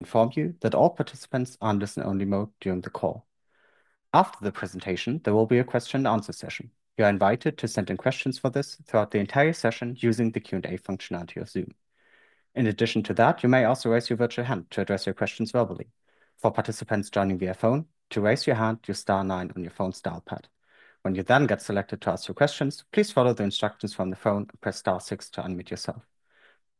inform you that all participants are in listen-only mode during the call. After the presentation, there will be a question and answer session. You are invited to send in questions for this throughout the entire session using the Q&A functionality of Zoom. In addition to that, you may also raise your virtual hand to address your questions verbally. For participants joining via phone, to raise your hand, use star nine on your phone's dial pad. When you then get selected to ask your questions, please follow the instructions from the phone and press star six to unmute yourself.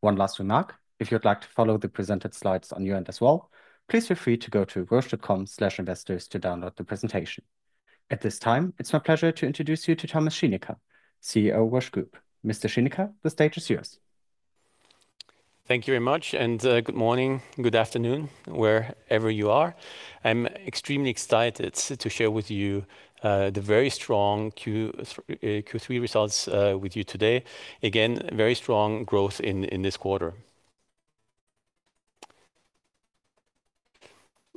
One last remark: If you'd like to follow the presented slides on your end as well, please feel free to go to roche.com/investors to download the presentation. At this time, it's my pleasure to introduce you to Thomas Schinecker, CEO, Roche Group. Mr. Schinecker, the stage is yours. Thank you very much, and good morning, good afternoon, wherever you are. I'm extremely excited to share with you the very strong Q3 results with you today. Again, very strong growth in this quarter.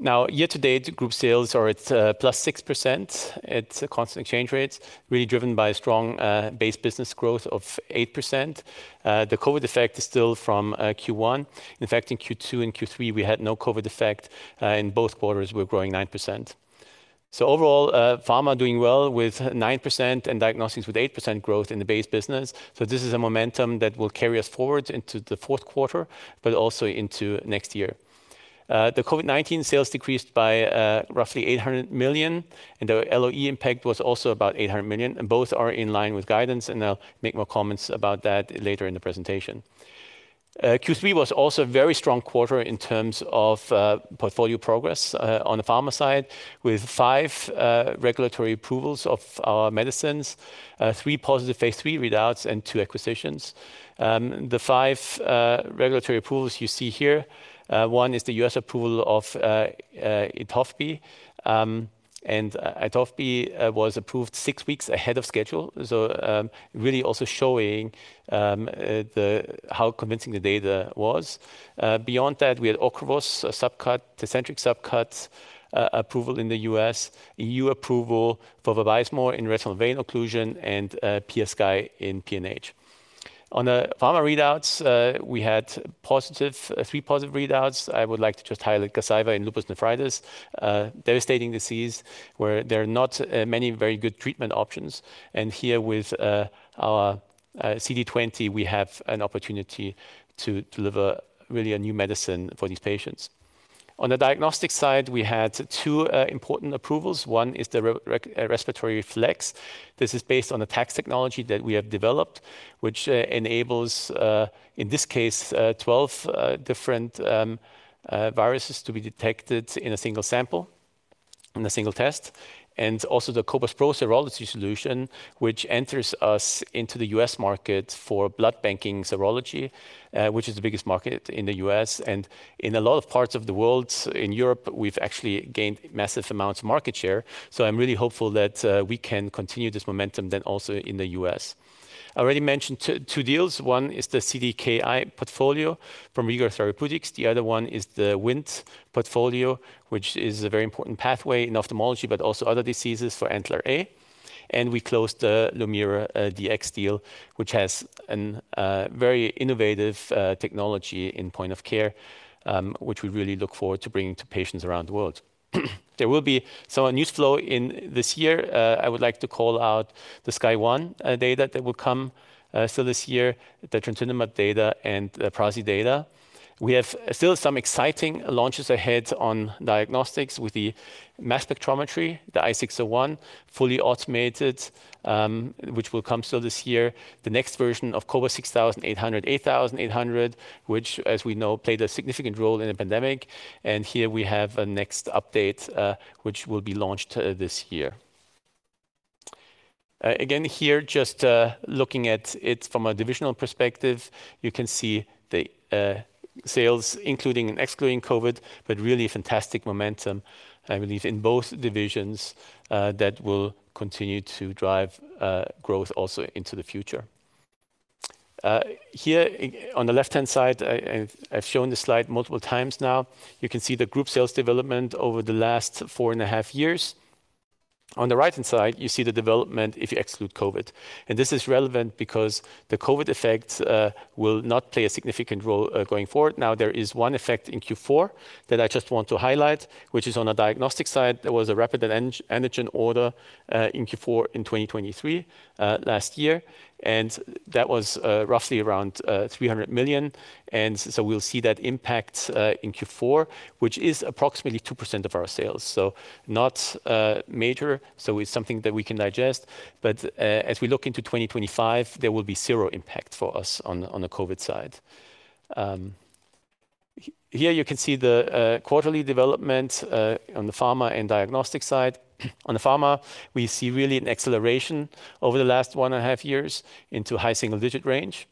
Now, year to date, group sales are at +6% at constant exchange rates, really driven by a strong base business growth of 8%. The COVID effect is still from Q1. In fact, in Q2 and Q3, we had no COVID effect. In both quarters, we're growing 9%. So overall, pharma doing well with 9% and diagnostics with 8% growth in the base business. So this is a momentum that will carry us forward into the fourth quarter, but also into next year. The COVID-19 sales decreased by roughly 800 million, and the LOE impact was also about 800 million, and both are in line with guidance, and I'll make more comments about that later in the presentation. Q3 was also a very strong quarter in terms of portfolio progress on the pharma side, with five regulatory approvals of our medicines, three positive phase III readouts, and two acquisitions. The five regulatory approvals you see here, one is the US approval of Evrysdi. And Evrysdi was approved six weeks ahead of schedule, so really also showing how convincing the data was. Beyond that, we had Ocrevus, a subcut, Tecentriq subcut approval in the US, EU approval for Vabysmo in retinal vein occlusion, and PiaSky in PNH. On the pharma readouts, we had three positive readouts. I would like to just highlight Gazyva in lupus nephritis, devastating disease, where there are not many very good treatment options. And here with our CD20, we have an opportunity to deliver really a new medicine for these patients. On the diagnostic side, we had two important approvals. One is the Respiratory Flex. This is based on the TAGS technology that we have developed, which enables, in this case, twelve different viruses to be detected in a single sample, in a single test, and also the Cobas Pro Serology Solution, which enters us into the U.S. market for blood banking serology, which is the biggest market in the U.S. In a lot of parts of the world, in Europe, we've actually gained massive amounts of market share, so I'm really hopeful that we can continue this momentum then also in the US. I already mentioned two deals. One is the CDKI portfolio from Regor Therapeutics. The other one is the WNT portfolio, which is a very important pathway in ophthalmology, but also other diseases for AntlerA. And we closed the LumiraDx deal, which has an very innovative technology in point of care, which we really look forward to bringing to patients around the world. There will be some news flow in this year. I would like to call out the SKYSCRAPER-01 data that will come still this year, the trontinemab data and the prasnezumab data. We have still some exciting launches ahead on diagnostics with the mass spectrometry, the 5800, fully automated, which will come still this year. The next version of Cobas 6800, 8800, which, as we know, played a significant role in the pandemic. Here we have a next update, which will be launched this year. Again, here, just looking at it from a divisional perspective, you can see the sales, including and excluding COVID, but really fantastic momentum, I believe, in both divisions, that will continue to drive growth also into the future. Here on the left-hand side, I've shown this slide multiple times now. You can see the group sales development over the last four and a half years. On the right-hand side, you see the development if you exclude COVID. This is relevant because the COVID effect will not play a significant role going forward. Now, there is one effect in Q4 that I just want to highlight, which is on the diagnostic side. There was a rapid antigen order in Q4 in twenty twenty-three last year, and that was roughly around 300 million. And so we'll see that impact in Q4, which is approximately 2% of our sales, so not major, so it's something that we can digest. But as we look into twenty twenty-five, there will be zero impact for us on the COVID side. Here you can see the quarterly development on the pharma and diagnostic side. On the pharma, we see really an acceleration over the last one and a half years into high single-digit range.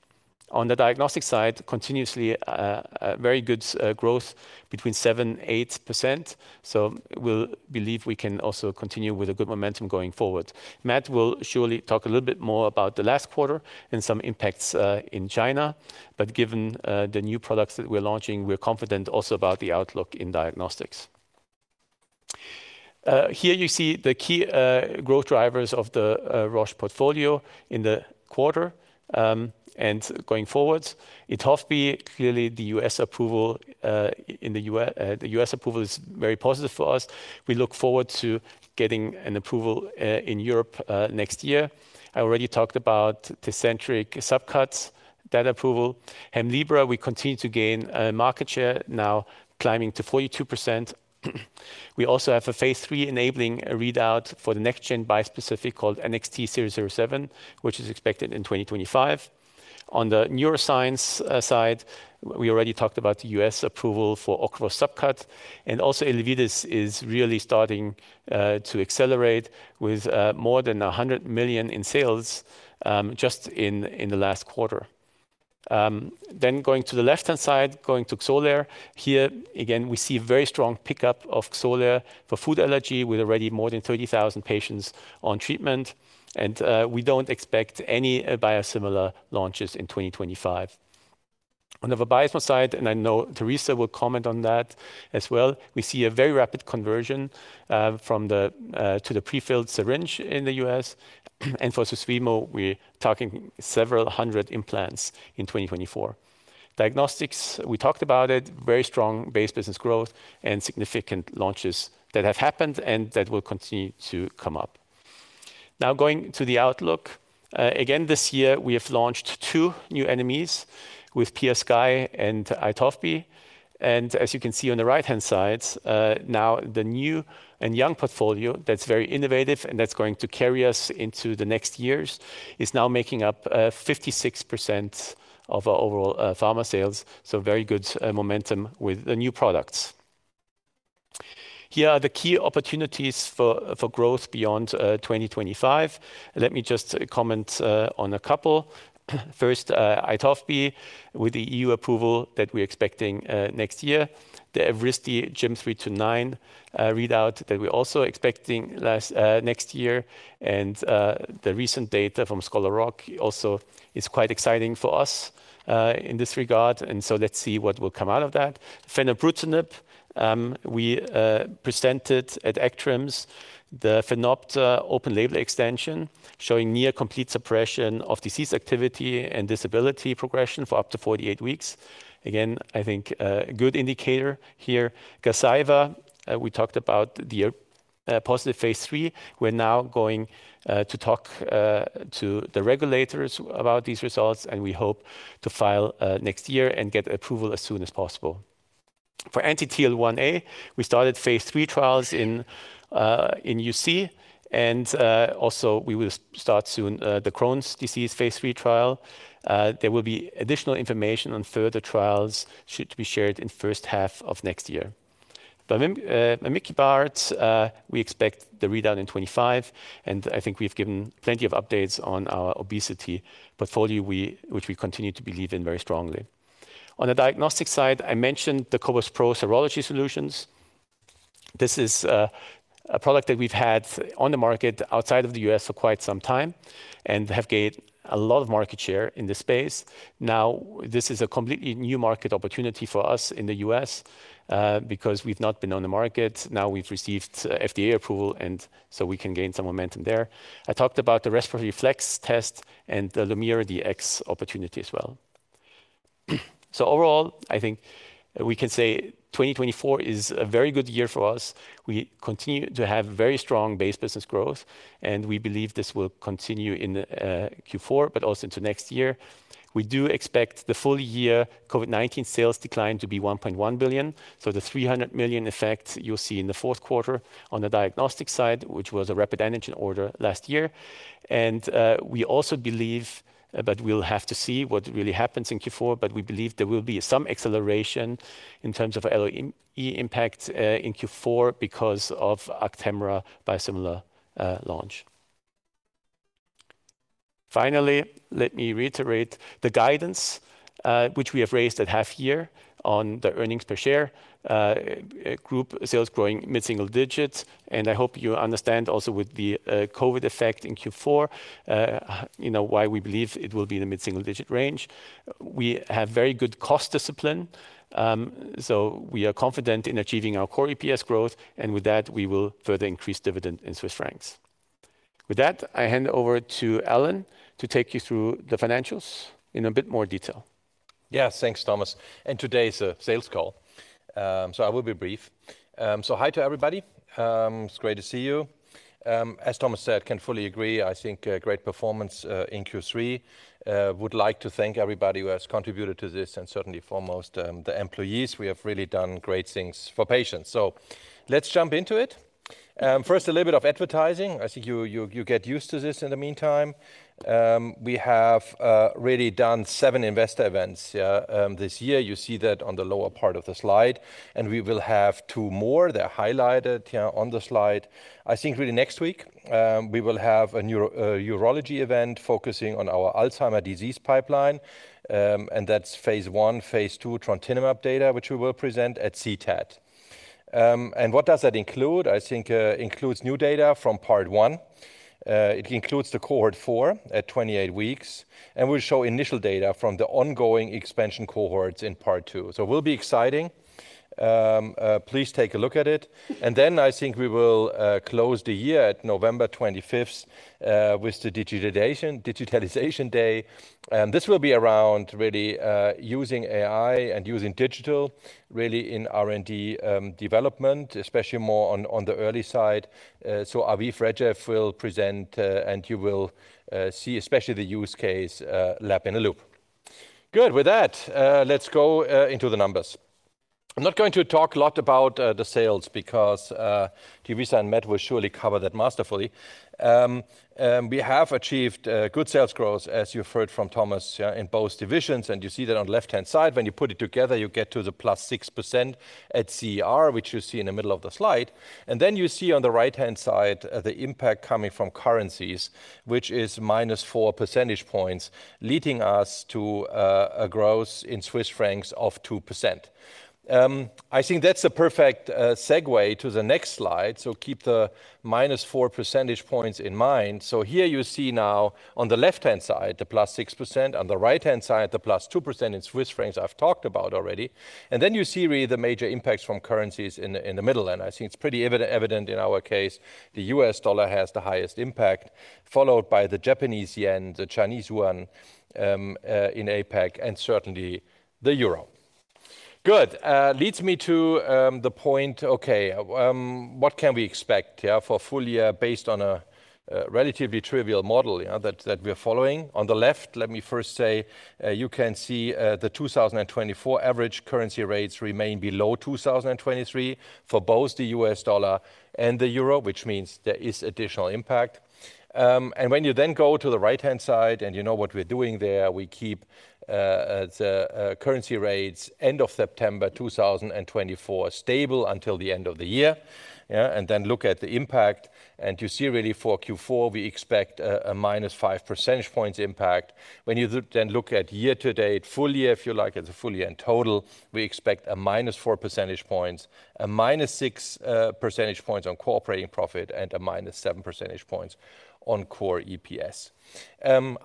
On the diagnostic side, continuously, a very good, growth between 7-8%. So we'll believe we can also continue with a good momentum going forward. Matt will surely talk a little bit more about the last quarter and some impacts, in China, but given, the new products that we're launching, we're confident also about the outlook in diagnostics. Here you see the key, growth drivers of the, Roche portfolio in the quarter, and going forward. Itovebi, clearly the U.S. approval is very positive for us. We look forward to getting an approval, in Europe, next year. I already talked about Tecentriq subcuts, that approval. Hemlibra, we continue to gain, market share, now climbing to 42%. We also have a phase 3-enabling readout for the next-gen bispecific called NXT007, which is expected in 2025. On the neuroscience side, we already talked about the U.S. approval for Ocrevus subcut, and also Elevidys is really starting to accelerate with more than 100 million in sales just in the last quarter. Then going to the left-hand side, going to Xolair. Here, again, we see very strong pickup of Xolair for food allergy, with already more than 30,000 patients on treatment, and we don't expect any biosimilar launches in 2025. On the Vabysmo side, and I know Teresa will comment on that as well, we see a very rapid conversion from the vial to the prefilled syringe in the U.S., and for Susvimo, we're talking several hundred implants in 2024. Diagnostics, we talked about it, very strong base business growth and significant launches that have happened and that will continue to come up. Now going to the outlook. Again, this year we have launched two new NMEs with PiaSky and Itovebi. And as you can see on the right-hand side, now the new NME portfolio that's very innovative and that's going to carry us into the next years, is now making up 56% of our overall pharma sales. So very good momentum with the new products. Here are the key opportunities for growth beyond twenty twenty-five. Let me just comment on a couple. First, Itovebi, with the EU approval that we're expecting next year. The Evrysdi GYM329 readout that we're also expecting late next year, and the recent data from Scholar Rock also is quite exciting for us in this regard, and so let's see what will come out of that. Fenebrutinib, we presented at ECTRIMS, the FENopta open label extension, showing near complete suppression of disease activity and disability progression for up to 48 weeks. Again, I think a good indicator here. Gazyva, we talked about the positive phase III. We're now going to talk to the regulators about these results, and we hope to file next year and get approval as soon as possible. For anti-TL1A, we started phase III trials in UC, and also we will start soon the Crohn's disease phase III trial. There will be additional information on further trials to be shared in first half of next year. But vemineybart, we expect the readout in twenty-five, and I think we've given plenty of updates on our obesity portfolio which we continue to believe in very strongly. On the diagnostic side, I mentioned the Cobas Pro Serology Solution. This is a product that we've had on the market outside of the US for quite some time and have gained a lot of market share in this space. Now, this is a completely new market opportunity for us in the US because we've not been on the market. Now, we've received FDA approval, and so we can gain some momentum there. I talked about the Respiratory Flex test and the LumiraDx opportunity as well. So overall, I think we can say twenty twenty-four is a very good year for us. We continue to have very strong base business growth, and we believe this will continue in Q4, but also into next year. We do expect the full year COVID-19 sales decline to be 1.1 billion, so the 300 million effect you'll see in the fourth quarter on the diagnostic side, which was a rapid antigen order last year. And we also believe, but we'll have to see what really happens in Q4, but we believe there will be some acceleration in terms of LOE impact in Q4 because of Actemra biosimilar launch. Finally, let me reiterate the guidance, which we have raised at half year on the earnings per share, group sales growing mid-single digits, and I hope you understand also with the COVID effect in Q4, you know, why we believe it will be in the mid-single-digit range. We have very good cost discipline, so we are confident in achieving our core EPS growth, and with that, we will further increase dividend in CHF. With that, I hand over to Alan to take you through the financials in a bit more detail. Yeah, thanks, Thomas. And today is a sales call, so I will be brief. So hi to everybody. It's great to see you. As Thomas said, can fully agree. I think a great performance in Q3. Would like to thank everybody who has contributed to this and certainly foremost the employees. We have really done great things for patients. So let's jump into it. First, a little bit of advertising. I think you get used to this in the meantime. We have really done seven investor events, yeah, this year. You see that on the lower part of the slide, and we will have two more. They're highlighted, yeah, on the slide. I think really next week, we will have a neurology event focusing on our Alzheimer's disease pipeline, and that's phase one, phase two Trontinemab data, which we will present at CTAD. And what does that include? I think, includes new data from part one. It includes the cohort four at twenty-eight weeks, and we'll show initial data from the ongoing expansion cohorts in part two. So it will be exciting. Please take a look at it. And then I think we will close the year at November twenty-fifth with the digitalization day. And this will be around really using AI and using digital really in R&D development, especially more on the early side. So Aviv Regev will present, and you will see especially the use case Lab in a Loop. Good. With that, let's go into the numbers. I'm not going to talk a lot about the sales because Teresa and Matt will surely cover that masterfully. We have achieved good sales growth, as you heard from Thomas, yeah, in both divisions, and you see that on the left-hand side. When you put it together, you get to the plus 6% at CER, which you see in the middle of the slide. And then you see on the right-hand side the impact coming from currencies, which is minus four percentage points, leading us to a growth in Swiss francs of 2%. I think that's a perfect segue to the next slide, so keep the minus four percentage points in mind. So here you see now on the left-hand side, the plus 6%, on the right-hand side, the plus 2% in Swiss francs I've talked about already. And then you see really the major impacts from currencies in the middle. And I think it's pretty evident in our case, the US dollar has the highest impact, followed by the Japanese yen, the Chinese yuan in APAC, and certainly the euro. Good. Leads me to the point: what can we expect for full year based on a relatively trivial model, you know, that we're following? On the left, let me first say, you can see the 2024 average currency rates remain below 2023 for both the US dollar and the euro, which means there is additional impact. When you then go to the right-hand side, and you know what we're doing there, we keep the currency rates end of September 2024 stable until the end of the year. And then look at the impact, and you see really for Q4, we expect a minus 5 percentage points impact. When you then look at year to date, full year, if you like, at the full year in total, we expect a minus 4 percentage points, a minus 6 percentage points on operating profit, and a minus 7 percentage points on core EPS.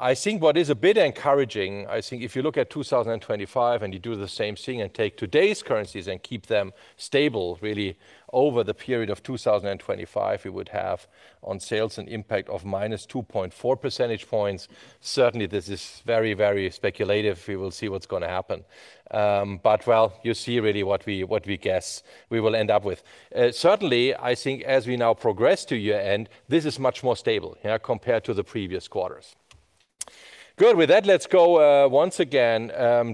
I think what is a bit encouraging, I think if you look at 2025 and you do the same thing and take today's currencies and keep them stable, really over the period of 2025, we would have on sales an impact of minus 2.4 percentage points. Certainly, this is very, very speculative. We will see what's going to happen, but well, you see really what we guess we will end up with. Certainly, I think as we now progress to year-end, this is much more stable, yeah, compared to the previous quarters. Good! With that, let's go once again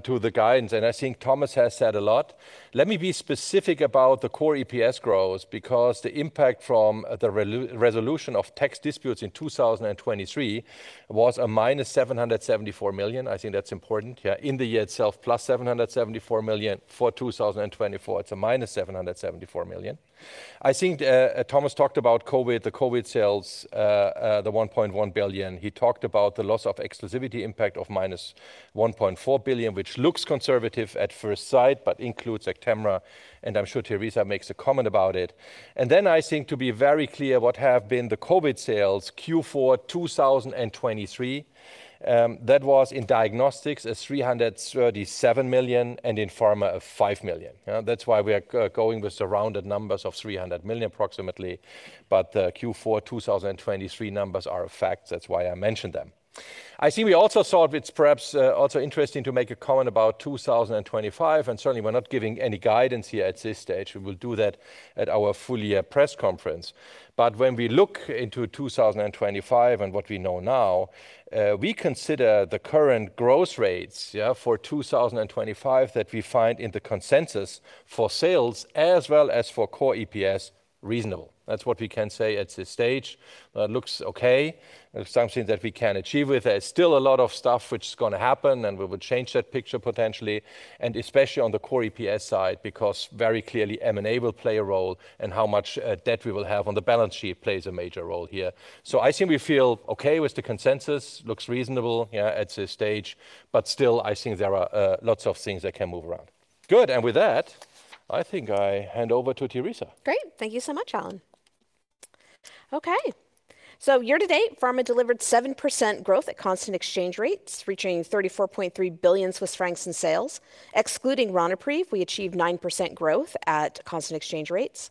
to the guidance, and I think Thomas has said a lot. Let me be specific about the core EPS growth, because the impact from the resolution of tax disputes in 2023 was a -774 million. I think that's important, yeah. In the year itself, plus 774 million. For 2024, it's a -774 million. I think, Thomas talked about COVID, the COVID sales, the 1.1 billion. He talked about the loss of exclusivity impact of -1.4 billion, which looks conservative at first sight, but includes Actemra, and I'm sure Teresa makes a comment about it. Then, I think to be very clear, what have been the COVID sales, Q4 2023, that was in diagnostics, a 337 million, and in pharma, a 5 million. Yeah, that's why we are going with the rounded numbers of 300 million, approximately. But the Q4 two thousand and twenty-three numbers are a fact. That's why I mentioned them. I see we also thought it's perhaps also interesting to make a comment about two thousand and twenty-five, and certainly we're not giving any guidance yet at this stage. We will do that at our full year press conference. But when we look into two thousand and twenty-five and what we know now, we consider the current growth rates, yeah, for two thousand and twenty-five, that we find in the consensus for sales as well as for core EPS reasonable. That's what we can say at this stage. Looks okay, something that we can achieve with. There's still a lot of stuff which is going to happen, and we will change that picture potentially, and especially on the core EPS side, because very clearly, M&A will play a role in how much, debt we will have on the balance sheet plays a major role here. So I think we feel okay with the consensus. Looks reasonable, yeah, at this stage, but still, I think there are, lots of things that can move around. Good, and with that, I think I hand over to Teresa. Great. Thank you so much, Alan. Okay, so year to date, Pharma delivered 7% growth at constant exchange rates, reaching 34.3 billion Swiss francs in sales. Excluding Ronapreve, we achieved 9% growth at constant exchange rates.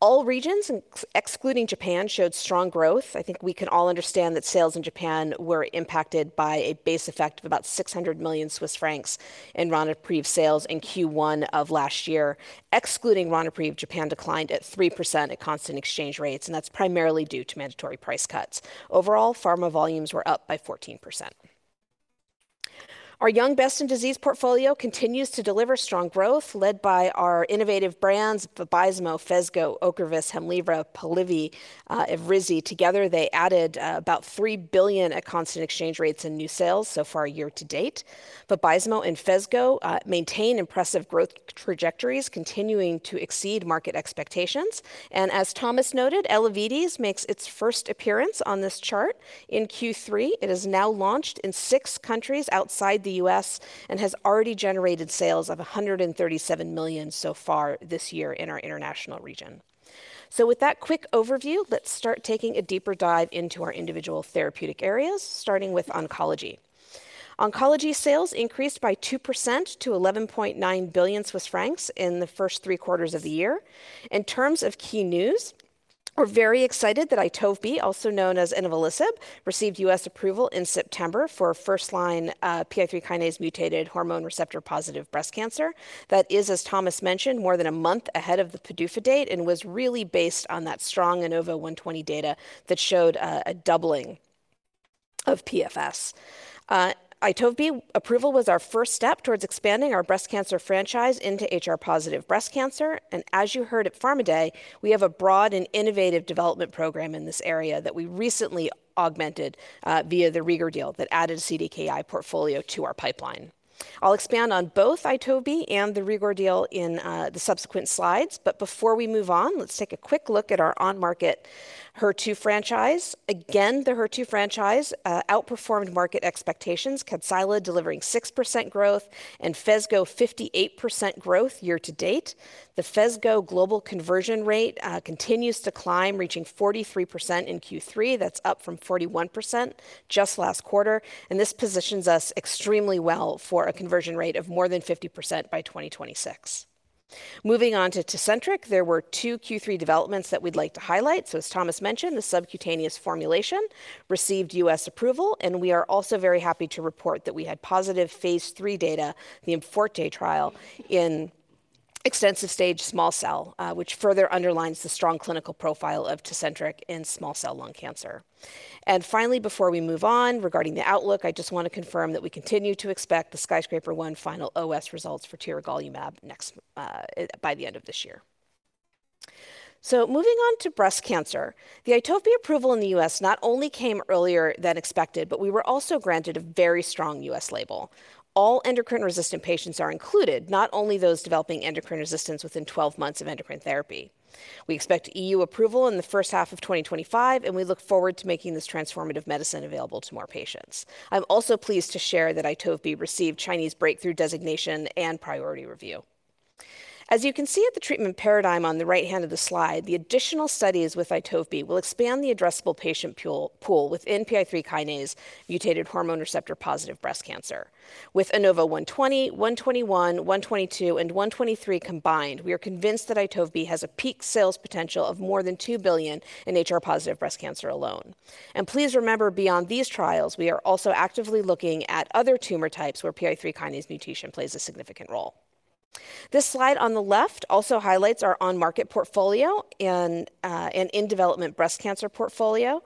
All regions excluding Japan showed strong growth. I think we can all understand that sales in Japan were impacted by a base effect of about 600 million Swiss francs in Ronapreve sales in Q1 of last year. Excluding Ronapreve, Japan declined at 3% at constant exchange rates, and that's primarily due to mandatory price cuts. Overall, Pharma volumes were up by 14%. Our Oncology Best-in-Disease portfolio continues to deliver strong growth, led by our innovative brands, Vabysmo, Phesgo, Ocrevus, Hemlibra, Polivy, Evrysdi. Together, they added about 3 billion CHF at constant exchange rates in new sales so far year to date. Vabysmo and Phesgo maintain impressive growth trajectories, continuing to exceed market expectations. As Thomas noted, Elevidys makes its first appearance on this chart in Q3. It is now launched in six countries outside the U.S. and has already generated sales of 137 million so far this year in our international region. With that quick overview, let's start taking a deeper dive into our individual therapeutic areas, starting with oncology. Oncology sales increased by 2% to 11.9 billion Swiss francs in the first three quarters of the year. In terms of key news, we're very excited that Itovebi, also known as inavolisib, received U.S. approval in September for first-line PI3K-mutated hormone receptor-positive breast cancer. That is, as Thomas mentioned, more than a month ahead of the PDUFA date and was really based on that strong INAVO120 data that showed a doubling of PFS. Itovebi approval was our first step towards expanding our breast cancer franchise into HR-positive breast cancer, and as you heard at PharmaDay, we have a broad and innovative development program in this area that we recently augmented via the Regor deal that added a CDKi portfolio to our pipeline. I'll expand on both Itovebi and the Regor deal in the subsequent slides, but before we move on, let's take a quick look at our on-market HER2 franchise. Again, the HER2 franchise outperformed market expectations, Kadcyla delivering 6% growth and Phesgo 58% growth year to date. The Phesgo global conversion rate continues to climb, reaching 43% in Q3. That's up from 41% just last quarter, and this positions us extremely well for a conversion rate of more than 50% by 2026. Moving on to Tecentriq, there were two Q3 developments that we'd like to highlight. So as Thomas mentioned, the subcutaneous formulation received US approval, and we are also very happy to report that we had positive phase III data, the IMforte trial, in extensive-stage small cell, which further underlines the strong clinical profile of Tecentriq in small cell lung cancer. And finally, before we move on, regarding the outlook, I just want to confirm that we continue to expect the SKYSCRAPER-01 final OS results for tiragolumab next by the end of this year. So moving on to breast cancer. The Itovebi approval in the US not only came earlier than expected, but we were also granted a very strong US label. All endocrine-resistant patients are included, not only those developing endocrine resistance within twelve months of endocrine therapy. We expect EU approval in the first half of 2025, and we look forward to making this transformative medicine available to more patients. I'm also pleased to share that Itovebi received Chinese breakthrough designation and priority review. As you can see at the treatment paradigm on the right hand of the slide, the additional studies with Itovebi will expand the addressable patient pool within PI3K kinase mutated hormone receptor-positive breast cancer. With INAVO120, INAVO121, INAVO122, and INAVO123 combined, we are convinced that Itovebi has a peak sales potential of more than 2 billion in HR-positive breast cancer alone. Please remember, beyond these trials, we are also actively looking at other tumor types where PI3K kinase mutation plays a significant role. This slide on the left also highlights our on-market portfolio and in-development breast cancer portfolio.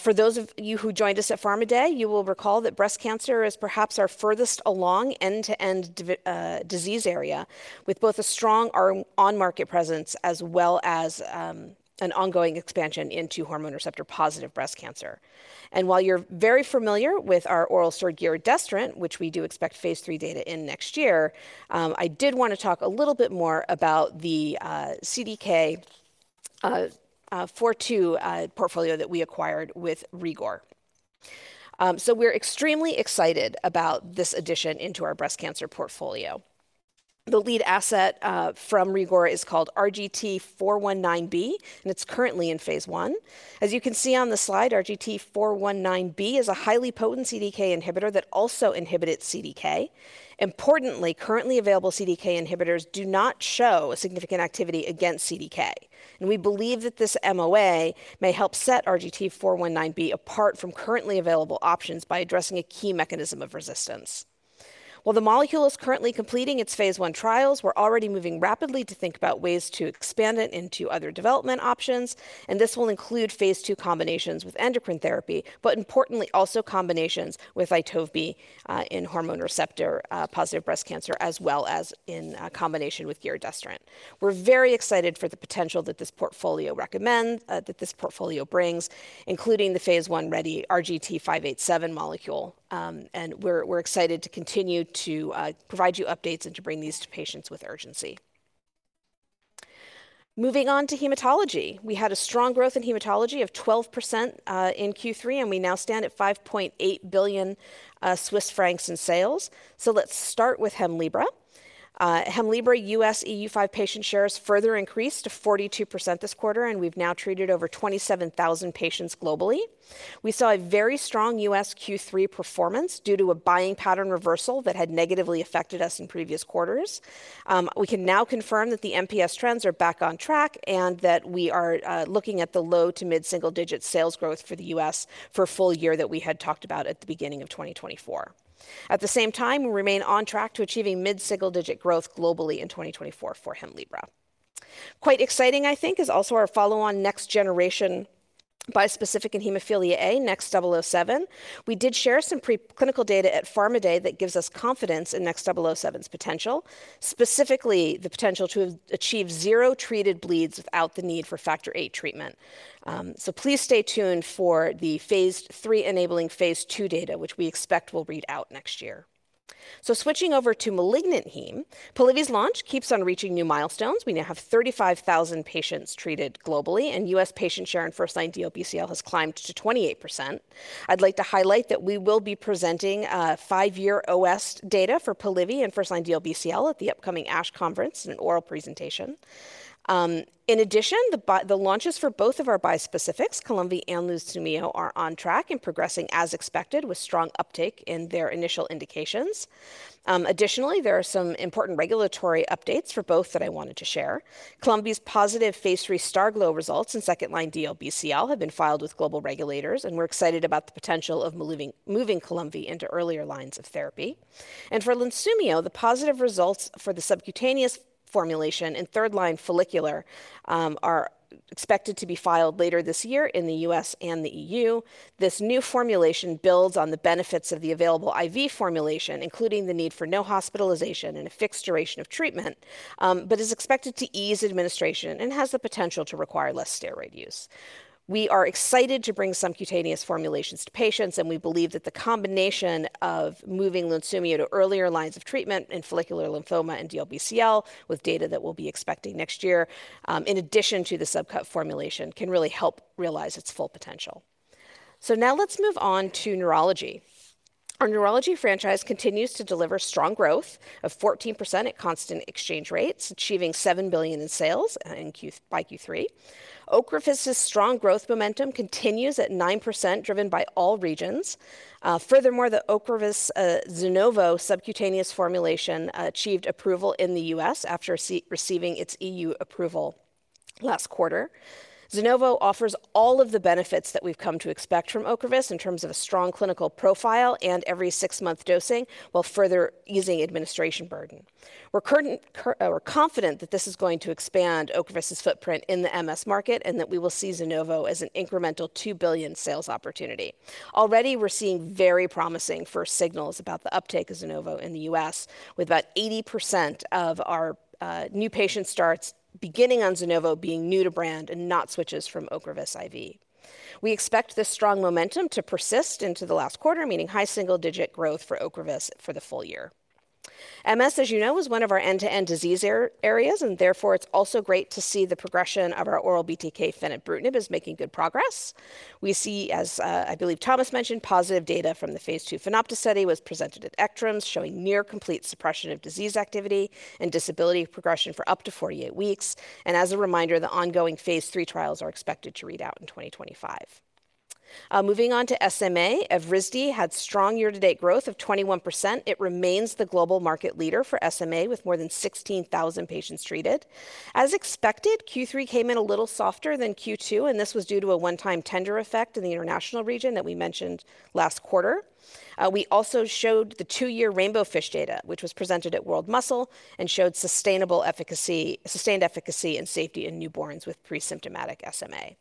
For those of you who joined us at PharmaDay, you will recall that breast cancer is perhaps our furthest along end-to-end disease area, with both a strong on-market presence as well as an ongoing expansion into hormone receptor-positive breast cancer. While you're very familiar with our oral SERD giredestrant, which we do expect phase III data in next year, I did want to talk a little bit more about the CDK for 2 portfolio that we acquired with Regor. So we're extremely excited about this addition into our breast cancer portfolio. The lead asset from Regor is called RGT419B, and it's currently in phase I. As you can see on the slide, RGT419B is a highly potent CDK inhibitor that also inhibited CDK. Importantly, currently available CDK inhibitors do not show a significant activity against CDK, and we believe that this MOA may help set RGT419B apart from currently available options by addressing a key mechanism of resistance. While the molecule is currently completing its phase I trials, we're already moving rapidly to think about ways to expand it into other development options, and this will include phase II combinations with endocrine therapy, but importantly, also combinations with Itovebi in hormone receptor positive breast cancer, as well as in combination with Giredestrant. We're very excited for the potential that this portfolio recommend that this portfolio brings, including the phase I-ready RGT587 molecule. And we're excited to continue to provide you updates and to bring these to patients with urgency. Moving on to hematology. We had a strong growth in hematology of 12% in Q3, and we now stand at 5.8 billion Swiss francs in sales. So let's start with Hemlibra. Hemlibra, US EU5 patient shares further increased to 42% this quarter, and we've now treated over 27,000 patients globally. We saw a very strong US Q3 performance due to a buying pattern reversal that had negatively affected us in previous quarters. We can now confirm that the MPS trends are back on track and that we are looking at the low to mid-single-digit sales growth for the US for a full year that we had talked about at the beginning of 2024. At the same time, we remain on track to achieving mid-single-digit growth globally in twenty twenty-four for Hemlibra. Quite exciting, I think, is also our follow-on next-generation bispecific in hemophilia A, NXT007. We did share some preclinical data at PharmaDay that gives us confidence in NXT007's potential, specifically the potential to have achieved zero treated bleeds without the need for Factor VIII treatment. So please stay tuned for the phase III-enabling phase II data, which we expect will read out next year. So switching over to malignant heme, Polivy's launch keeps on reaching new milestones. We now have 35,000 patients treated globally, and US patient share in first-line DLBCL has climbed to 28%. I'd like to highlight that we will be presenting five-year OS data for Polivy and first-line DLBCL at the upcoming ASH conference in an oral presentation. In addition, the launches for both of our bispecifics, Columvie and Lunsumio, are on track and progressing as expected, with strong uptake in their initial indications. Additionally, there are some important regulatory updates for both that I wanted to share. Columvie's positive Phase III STARGLO results in second-line DLBCL have been filed with global regulators, and we're excited about the potential of moving Columvie into earlier lines of therapy. For Lunsumio, the positive results for the subcutaneous formulation in third-line follicular are expected to be filed later this year in the US and the EU. This new formulation builds on the benefits of the available IV formulation, including the need for no hospitalization and a fixed duration of treatment, but is expected to ease administration and has the potential to require less steroid use. We are excited to bring subcutaneous formulations to patients, and we believe that the combination of moving Lunsumio to earlier lines of treatment in follicular lymphoma and DLBCL, with data that we'll be expecting next year, in addition to the subcut formulation, can really help realize its full potential. So now let's move on to neurology. Our neurology franchise continues to deliver strong growth of 14% at constant exchange rates, achieving 7 billion in sales, in Q3. Ocrevus's strong growth momentum continues at 9%, driven by all regions. Furthermore, the Ocrevus Zunovo subcutaneous formulation achieved approval in the US after receiving its EU approval last quarter. Zunovo offers all of the benefits that we've come to expect from Ocrevus in terms of a strong clinical profile and every six-month dosing, while further easing administration burden. We're confident that this is going to expand Ocrevus's footprint in the MS market, and that we will see Zunovo as an incremental 2 billion sales opportunity. Already, we're seeing very promising first signals about the uptake of Zunovo in the US, with about 80% of our new patient starts beginning on Zunovo being new to brand and not switches from Ocrevus IV. We expect this strong momentum to persist into the last quarter, meaning high single-digit growth for Ocrevus for the full year. MS, as you know, is one of our end-to-end disease areas, and therefore, it's also great to see the progression of our oral BTK Fenebrutinib is making good progress. We see, as I believe Thomas mentioned, positive data from the phase II FENopta study was presented at ECTRIMS, showing near-complete suppression of disease activity and disability progression for up to 48 weeks. And as a reminder, the ongoing phase III trials are expected to read out in twenty twenty-five. Moving on to SMA, Evrysdi had strong year-to-date growth of 21%. It remains the global market leader for SMA, with more than 16,000 patients treated. As expected, Q3 came in a little softer than Q2, and this was due to a one-time tender effect in the international region that we mentioned last quarter. We also showed the 2-year Rainbowfish data, which was presented at World Muscle, and showed sustainable efficacy... sustained efficacy and safety in newborns with pre-symptomatic SMA.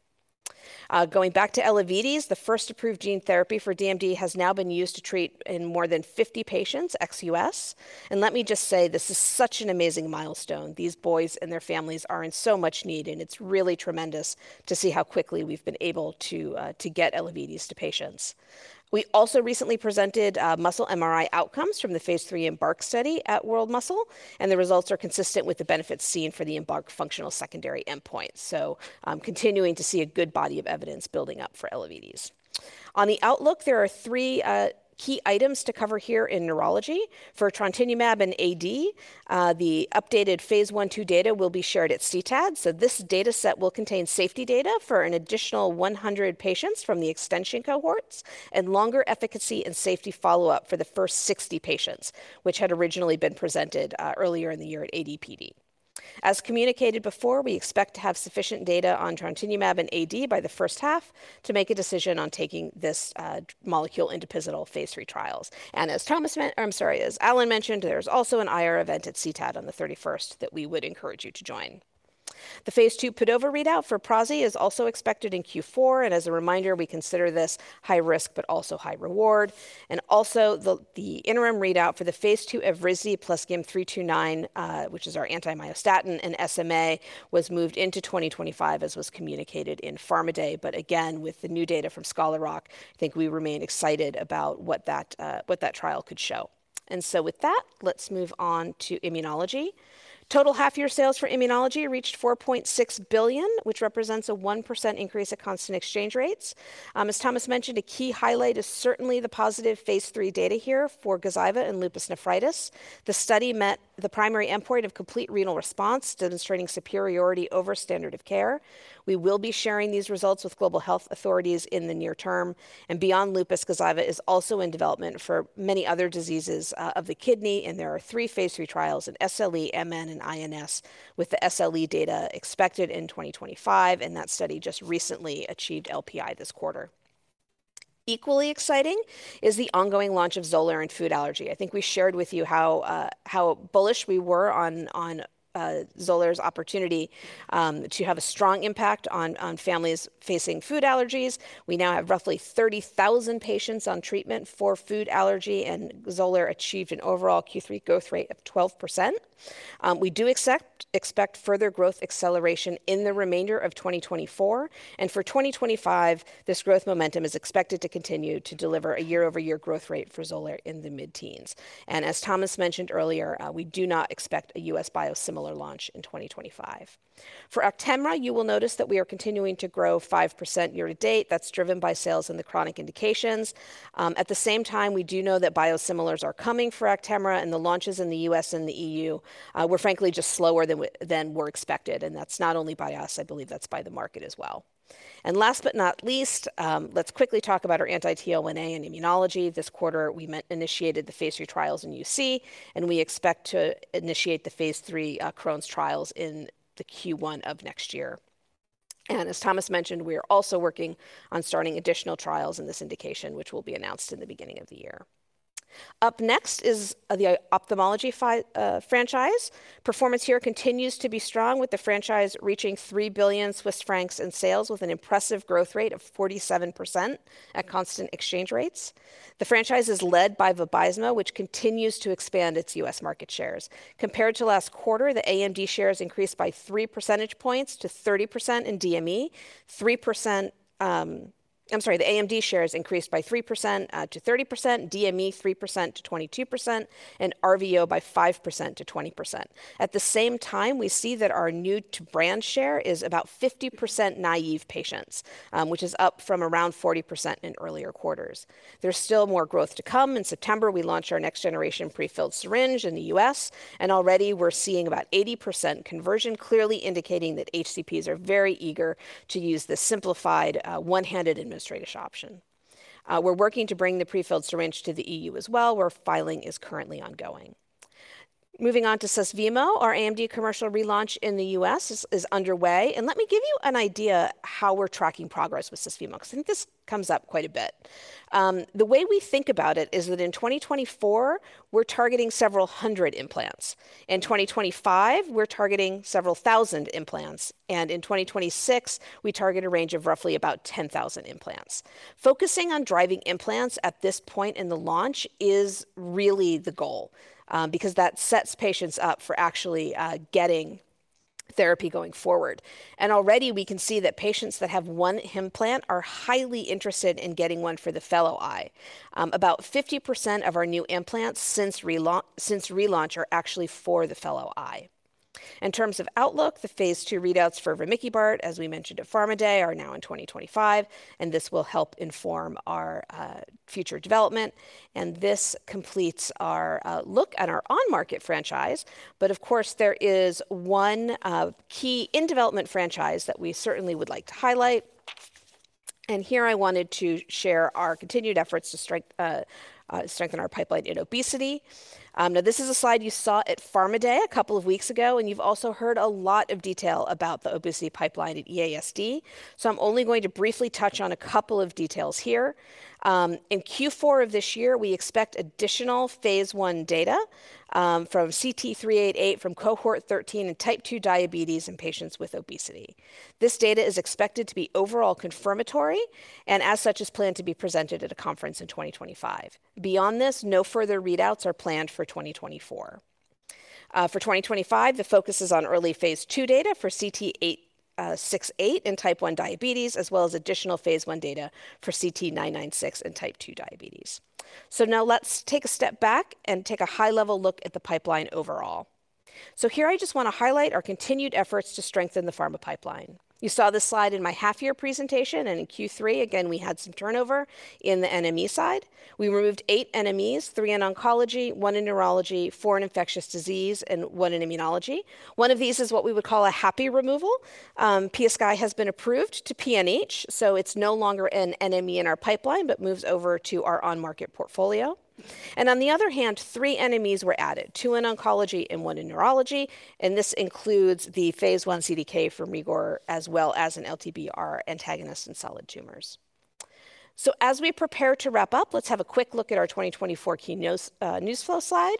Going back to Elevidys, the first approved gene therapy for DMD has now been used to treat more than 50 patients, ex-US. Let me just say, this is such an amazing milestone. These boys and their families are in so much need, and it's really tremendous to see how quickly we've been able to to get Elevidys to patients. We also recently presented muscle MRI outcomes from the phase III EMBARK study at World Muscle, and the results are consistent with the benefits seen for the EMBARK functional secondary endpoint. Continuing to see a good body of evidence building up for Elevidys. On the outlook, there are three key items to cover here in neurology. For Trontinemab and AD, the updated phase I/II data will be shared at CTAD. This data set will contain safety data for an additional 100 patients from the extension cohorts, and longer efficacy and safety follow-up for the first 60 patients, which had originally been presented earlier in the year at ADPD. As communicated before, we expect to have sufficient data on Trontinemab and AD by the first half to make a decision on taking this molecule into pivotal phase III trials. As Alan mentioned, there's also an IR event at CTAD on the thirty-first that we would encourage you to join. The phase II PADOVA readout for prasnezumab is also expected in Q4, and as a reminder, we consider this high risk, but also high reward. Also, the interim readout for the phase II Evrysdi plus GYM329, which is our anti-myostatin in SMA, was moved into 2025, as was communicated in PharmaDay. But again, with the new data from Scholar Rock, I think we remain excited about what that trial could show. So with that, let's move on to immunology. Total half-year sales for immunology reached 4.6 billion, which represents a 1% increase at constant exchange rates. As Thomas mentioned, a key highlight is certainly the positive phase III data here for Gazyva and lupus nephritis. The study met the primary endpoint of complete renal response, demonstrating superiority over standard of care. We will be sharing these results with global health authorities in the near term, and beyond lupus, Gazyva is also in development for many other diseases of the kidney, and there are three phase III trials in SLE, MN, and INS, with the SLE data expected in twenty twenty-five, and that study just recently achieved LPI this quarter. Equally exciting is the ongoing launch of Xolair in food allergy. I think we shared with you how bullish we were on Xolair's opportunity to have a strong impact on families facing food allergies. We now have roughly 30,000 patients on treatment for food allergy, and Xolair achieved an overall Q3 growth rate of 12%. We expect further growth acceleration in the remainder of 2024, and for 2025, this growth momentum is expected to continue to deliver a year-over-year growth rate for Xolair in the mid-teens. As Thomas mentioned earlier, we do not expect a US biosimilar launch in 2025. For Actemra, you will notice that we are continuing to grow 5% year to date. That's driven by sales in the chronic indications. At the same time, we do know that biosimilars are coming for Actemra, and the launches in the US and the EU were frankly just slower than were expected, and that's not only by us, I believe that's by the market as well. Last but not least, let's quickly talk about our anti-TL1A and immunology. This quarter, we initiated the phase III trials in UC, and we expect to initiate the phase III Crohn's trials in the Q1 of next year. As Thomas mentioned, we are also working on starting additional trials in this indication, which will be announced in the beginning of the year. Up next is the ophthalmology franchise. Performance here continues to be strong, with the franchise reaching 3 billion Swiss francs in sales with an impressive growth rate of 47% at constant exchange rates. The franchise is led by Vabysmo, which continues to expand its US market shares. Compared to last quarter, the AMD shares increased by three percentage points to 30% in DME, three percent... I'm sorry, the AMD shares increased by 3% to 30%, DME 3% to 22%, and RVO by 5% to 20%. At the same time, we see that our new to brand share is about 50% naive patients, which is up from around 40% in earlier quarters. There's still more growth to come. In September, we launched our next generation prefilled syringe in the US, and already we're seeing about 80% conversion, clearly indicating that HCPs are very eager to use this simplified, one-handed administrative option. We're working to bring the prefilled syringe to the EU as well, where filing is currently ongoing. Moving on to Susvimo, our AMD commercial relaunch in the US is underway, and let me give you an idea how we're tracking progress with Susvimo, 'cause I think this comes up quite a bit. The way we think about it is that in 2024, we're targeting several hundred implants. In 2025, we're targeting several thousand implants, and in 2026, we target a range of roughly about 10,000 implants. Focusing on driving implants at this point in the launch is really the goal, because that sets patients up for actually getting therapy going forward. Already we can see that patients that have one implant are highly interested in getting one for the fellow eye. About 50% of our new implants since relaunch are actually for the fellow eye. In terms of outlook, the phase II readouts for Vemineybart, as we mentioned at PharmaDay, are now in twenty twenty-five, and this will help inform our future development, and this completes our look at our on-market franchise, but of course, there is one key in-development franchise that we certainly would like to highlight, and here I wanted to share our continued efforts to strengthen our pipeline in obesity. Now, this is a slide you saw at PharmaDay a couple of weeks ago, and you've also heard a lot of detail about the obesity pipeline at EASD, so I'm only going to briefly touch on a couple of details here. In Q4 of this year, we expect additional phase I data from CT-388, from Cohort XIII in type 2 diabetes in patients with obesity. This data is expected to be overall confirmatory and, as such, is planned to be presented at a conference in 2025. Beyond this, no further readouts are planned for 2024. For 2025, the focus is on early phase II data for CT-868 in Type 1 diabetes, as well as additional phase I data for CT-996 in Type 2 diabetes. So now let's take a step back and take a high-level look at the pipeline overall. So here I just want to highlight our continued efforts to strengthen the pharma pipeline. You saw this slide in my half-year presentation, and in Q3, again, we had some turnover in the NME side. We removed eight NMEs, three in oncology, one in neurology, four in infectious disease, and one in immunology. One of these is what we would call a happy removal. PiaSky has been approved for PNH, so it's no longer an NME in our pipeline, but moves over to our on-market portfolio. And on the other hand, three NMEs were added, two in oncology and one in neurology, and this includes the phase I CDK for Regor, as well as an LTBR antagonist in solid tumors. So as we prepare to wrap up, let's have a quick look at our 2024 key news flow slide.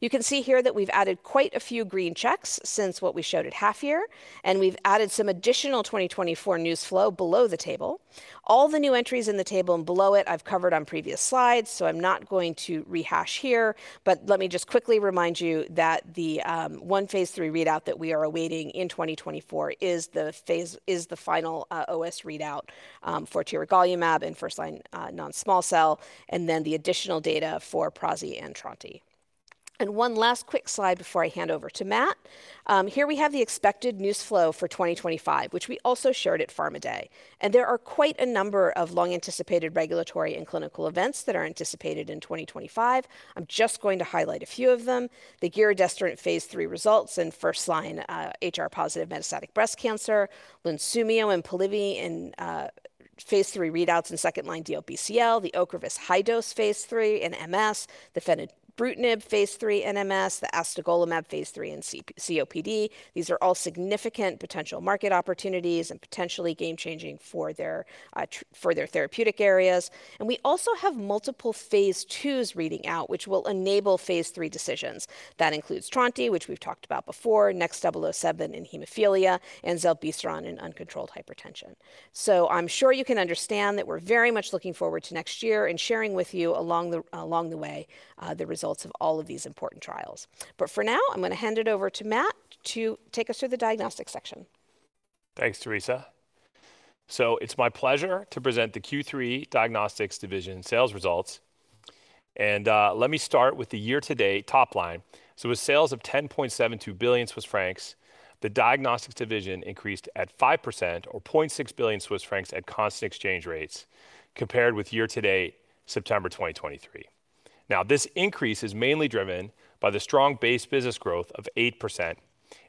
You can see here that we've added quite a few green checks since what we showed at half year, and we've added some additional 2024 news flow below the table. All the new entries in the table and below it I've covered on previous slides, so I'm not going to rehash here, but let me just quickly remind you that the one phase III readout that we are awaiting in twenty twenty-four is the final OS readout for tiragolumab in first-line non-small cell, and then the additional data for Phesgo and Trontinemab. One last quick slide before I hand over to Matt. Here we have the expected news flow for twenty twenty-five, which we also shared at PharmaDay, and there are quite a number of long-anticipated regulatory and clinical events that are anticipated in twenty twenty-five. I'm just going to highlight a few of them. The giredestrant phase III results in first-line HR-positive metastatic breast cancer, Lunsumio and Polivy in phase III readouts in second-line DLBCL, the Ocrevus high-dose phase III in MS, the fenebrutinib phase III in MS, the astegolimab phase III in COPD. These are all significant potential market opportunities and potentially game-changing for their for their therapeutic areas. We also have multiple phase IIs reading out, which will enable phase III decisions. That includes Trontinemab, which we've talked about before, NXT007 in hemophilia, and zilebesiran in uncontrolled hypertension. So I'm sure you can understand that we're very much looking forward to next year and sharing with you along the way the results of all of these important trials. But for now, I'm going to hand it over to Matt to take us through the diagnostics section. Thanks, Teresa.... It's my pleasure to present the Q3 Diagnostics division sales results. And let me start with the year-to-date top line. With sales of 10.72 billion Swiss francs, the Diagnostics division increased 5% or 0.6 billion Swiss francs at constant exchange rates, compared with year-to-date September 2023. Now, this increase is mainly driven by the strong base business growth of 8%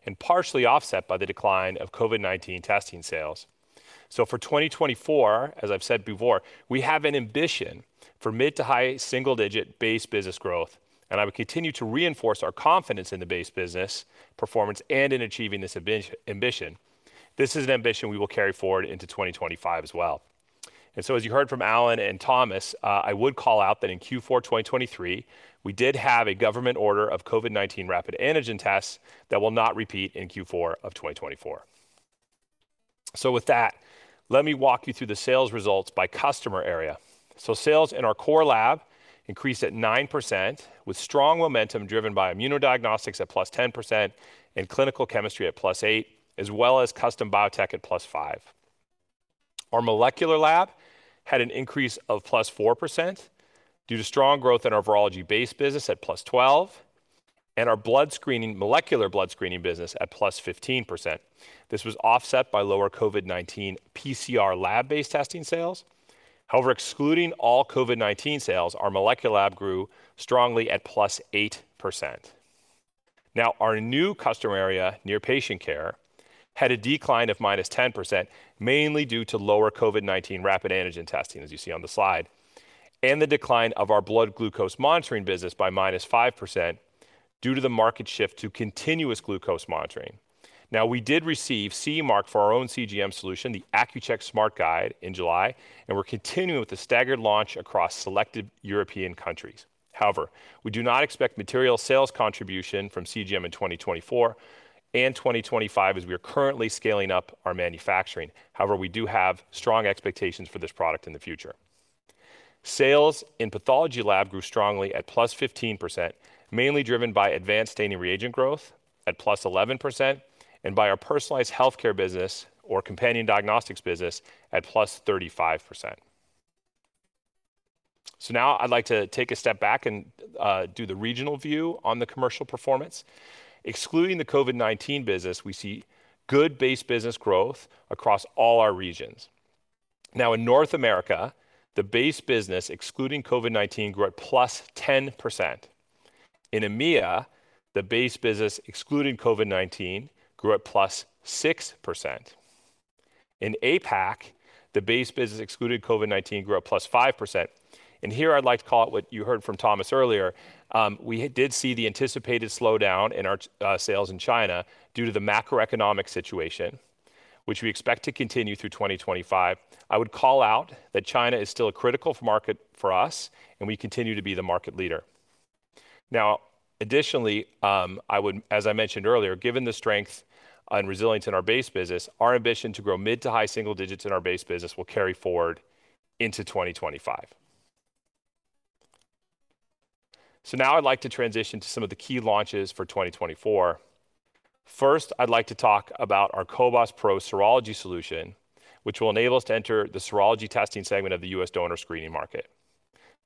and partially offset by the decline of COVID-19 testing sales. For 2024, as I've said before, we have an ambition for mid- to high single-digit base business growth, and I will continue to reinforce our confidence in the base business performance and in achieving this ambition. This is an ambition we will carry forward into 2025 as well. And so as you heard from Alan and Thomas, I would call out that in Q4 2023, we did have a government order of COVID-19 rapid antigen tests that will not repeat in Q4 of 2024. So with that, let me walk you through the sales results by customer area. So sales in our core lab increased at 9%, with strong momentum driven by immunodiagnostics at +10% and clinical chemistry at +8%, as well as custom biotech at +5%. Our molecular lab had an increase of +4% due to strong growth in our virology base business at +12% and our blood screening, molecular blood screening business at +15%. This was offset by lower COVID-19 PCR lab-based testing sales. However, excluding all COVID-19 sales, our molecular lab grew strongly at +8%. Now, our new customer area, near patient care, had a decline of minus 10%, mainly due to lower COVID-19 rapid antigen testing, as you see on the slide, and the decline of our blood glucose monitoring business by minus 5% due to the market shift to continuous glucose monitoring. Now, we did receive CE mark for our own CGM solution, the Accu-Chek SmartGuide, in July, and we're continuing with the staggered launch across selected European countries. However, we do not expect material sales contribution from CGM in 2024 and 2025, as we are currently scaling up our manufacturing. However, we do have strong expectations for this product in the future. Sales in pathology lab grew strongly at +15%, mainly driven by advanced staining reagent growth at +11% and by our personalized healthcare business or companion diagnostics business at +35%. So now I'd like to take a step back and do the regional view on the commercial performance. Excluding the COVID-19 business, we see good base business growth across all our regions. Now, in North America, the base business, excluding COVID-19, grew at plus 10%. In EMEA, the base business, excluding COVID-19, grew at plus 6%. In APAC, the base business, excluding COVID-19, grew at plus 5%. And here I'd like to call out what you heard from Thomas earlier. We did see the anticipated slowdown in our sales in China due to the macroeconomic situation, which we expect to continue through 2025. I would call out that China is still a critical market for us, and we continue to be the market leader. Now, additionally, I would, as I mentioned earlier, given the strength and resilience in our base business, our ambition to grow mid to high single digits in our base business will carry forward into 2025. So now I'd like to transition to some of the key launches for 2024. First, I'd like to talk about our Cobas Pro Serology solution, which will enable us to enter the serology testing segment of the U.S. donor screening market.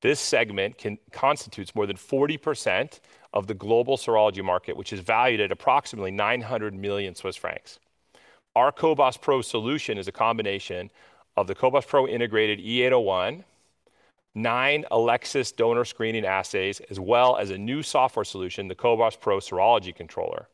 This segment constitutes more than 40% of the global serology market, which is valued at approximately 900 million Swiss francs. Our Cobas Pro solution is a combination of the Cobas Pro integrated E801, nine Elecsys donor screening assays, as well as a new software solution, the Cobas Pro Serology Controller.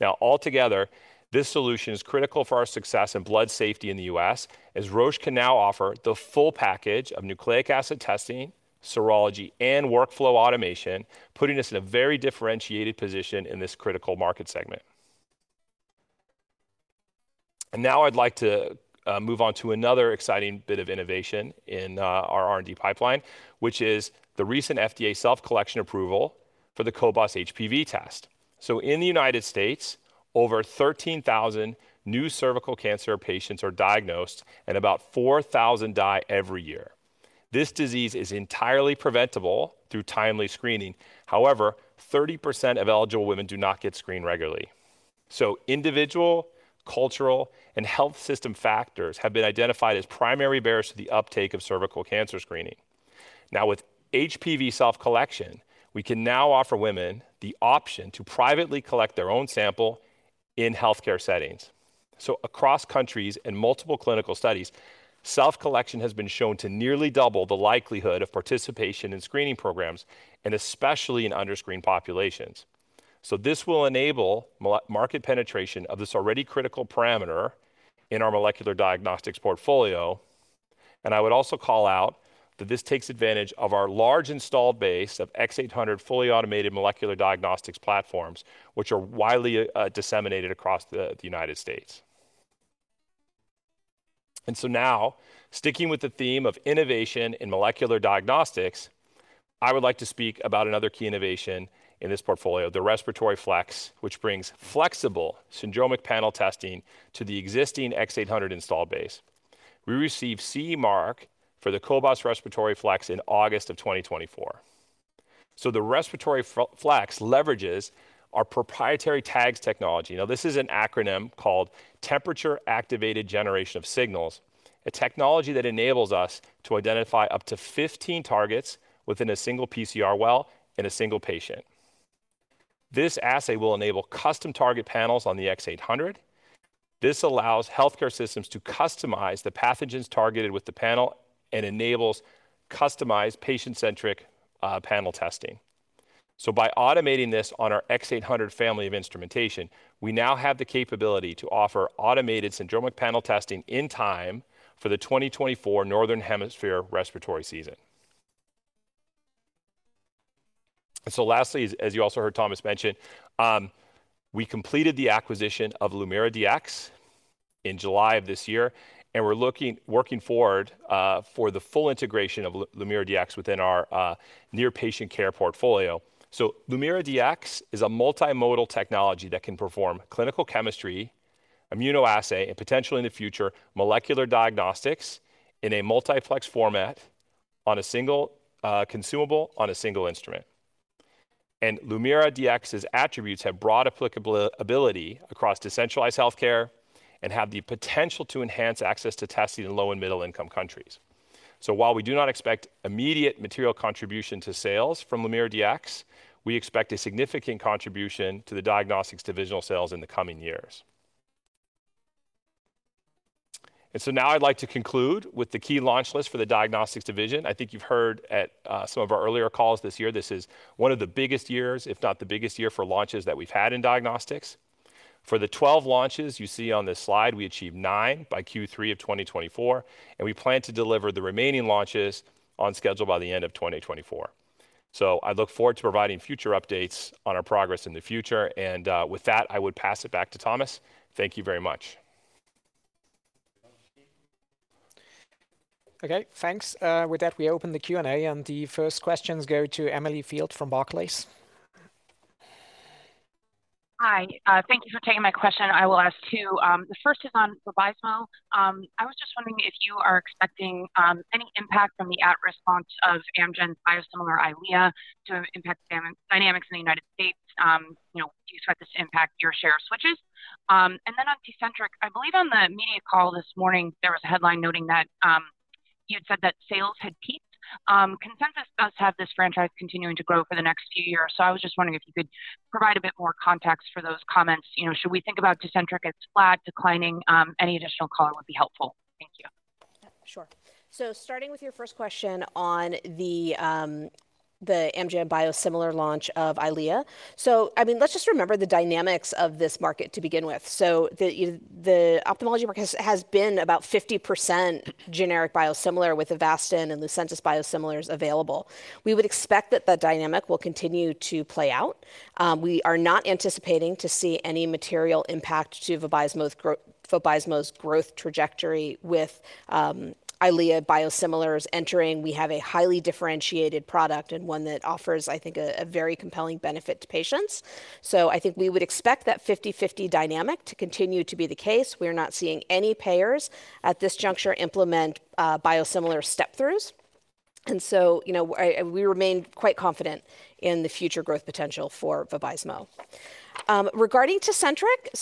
Now, altogether, this solution is critical for our success in blood safety in the U.S., as Roche can now offer the full package of nucleic acid testing, serology, and workflow automation, putting us in a very differentiated position in this critical market segment, and now I'd like to move on to another exciting bit of innovation in our R&D pipeline, which is the recent FDA self-collection approval for the Cobas HPV Test, so in the United States, over 13,000 new cervical cancer patients are diagnosed, and about 4,000 die every year. This disease is entirely preventable through timely screening. However, 30% of eligible women do not get screened regularly, so individual, cultural, and health system factors have been identified as primary barriers to the uptake of cervical cancer screening. Now, with HPV self-collection, we can now offer women the option to privately collect their own sample in healthcare settings. So across countries in multiple clinical studies, self-collection has been shown to nearly double the likelihood of participation in screening programs, and especially in under-screened populations. So this will enable market penetration of this already critical parameter in our molecular diagnostics portfolio. And I would also call out that this takes advantage of our large installed base of x800 fully automated molecular diagnostics platforms, which are widely disseminated across the United States. And so now, sticking with the theme of innovation in molecular diagnostics, I would like to speak about another key innovation in this portfolio, the Respiratory Flex, which brings flexible syndromic panel testing to the existing x800 install base. We received CE mark for the Cobas Respiratory Flex in August of 2024. The Respiratory Flex leverages our proprietary TAGS technology. Now, this is an acronym called Temperature Activated Generation of Signals, a technology that enables us to identify up to 15 targets within a single PCR well in a single patient. This assay will enable custom target panels on the X800. This allows healthcare systems to customize the pathogens targeted with the panel and enables customized patient-centric panel testing. By automating this on our X800 family of instrumentation, we now have the capability to offer automated syndromic panel testing in time for the twenty twenty-four Northern Hemisphere respiratory season. Lastly, as you also heard Thomas mention, we completed the acquisition of LumiraDx in July of this year, and we're looking forward for the full integration of LumiraDx within our near patient care portfolio. So LumiraDx is a multimodal technology that can perform clinical chemistry, immunoassay, and potentially in the future, molecular diagnostics in a multiplex format on a single consumable, on a single instrument. And LumiraDx's attributes have broad applicability across decentralized healthcare and have the potential to enhance access to testing in low and middle-income countries. So while we do not expect immediate material contribution to sales from LumiraDx, we expect a significant contribution to the diagnostics divisional sales in the coming years. And so now I'd like to conclude with the key launch list for the diagnostics division. I think you've heard at some of our earlier calls this year, this is one of the biggest years, if not the biggest year, for launches that we've had in diagnostics. For the 12 launches you see on this slide, we achieved nine by Q3 of 2024, and we plan to deliver the remaining launches on schedule by the end of 2024. So I look forward to providing future updates on our progress in the future, and, with that, I would pass it back to Thomas. Thank you very much. Okay, thanks. With that, we open the Q&A, and the first questions go to Emily Field from Barclays. Hi. Thank you for taking my question. I will ask two. The first is on Vabysmo. I was just wondering if you are expecting any impact from the at-risk launch of Amgen's biosimilar Eylea to impact dynamics in the United States. You know, do you expect this to impact your share switches? And then on Tecentriq, I believe on the media call this morning, there was a headline noting that you'd said that sales had peaked. Consensus does have this franchise continuing to grow for the next few years, so I was just wondering if you could provide a bit more context for those comments. You know, should we think about Tecentriq as flat, declining? Any additional color would be helpful. Thank you. Yeah, sure. So starting with your first question on the Amgen biosimilar launch of Eylea. So, I mean, let's just remember the dynamics of this market to begin with. So the ophthalmology market has been about 50% generic biosimilar, with Avastin and Lucentis biosimilars available. We would expect that the dynamic will continue to play out. We are not anticipating to see any material impact to Vabysmo's growth trajectory with Eylea biosimilars entering. We have a highly differentiated product and one that offers, I think, a very compelling benefit to patients. So I think we would expect that 50/50 dynamic to continue to be the case. We're not seeing any payers at this juncture implement biosimilar step-throughs. And so, you know, we remain quite confident in the future growth potential for Vabysmo. Regarding Tecentriq,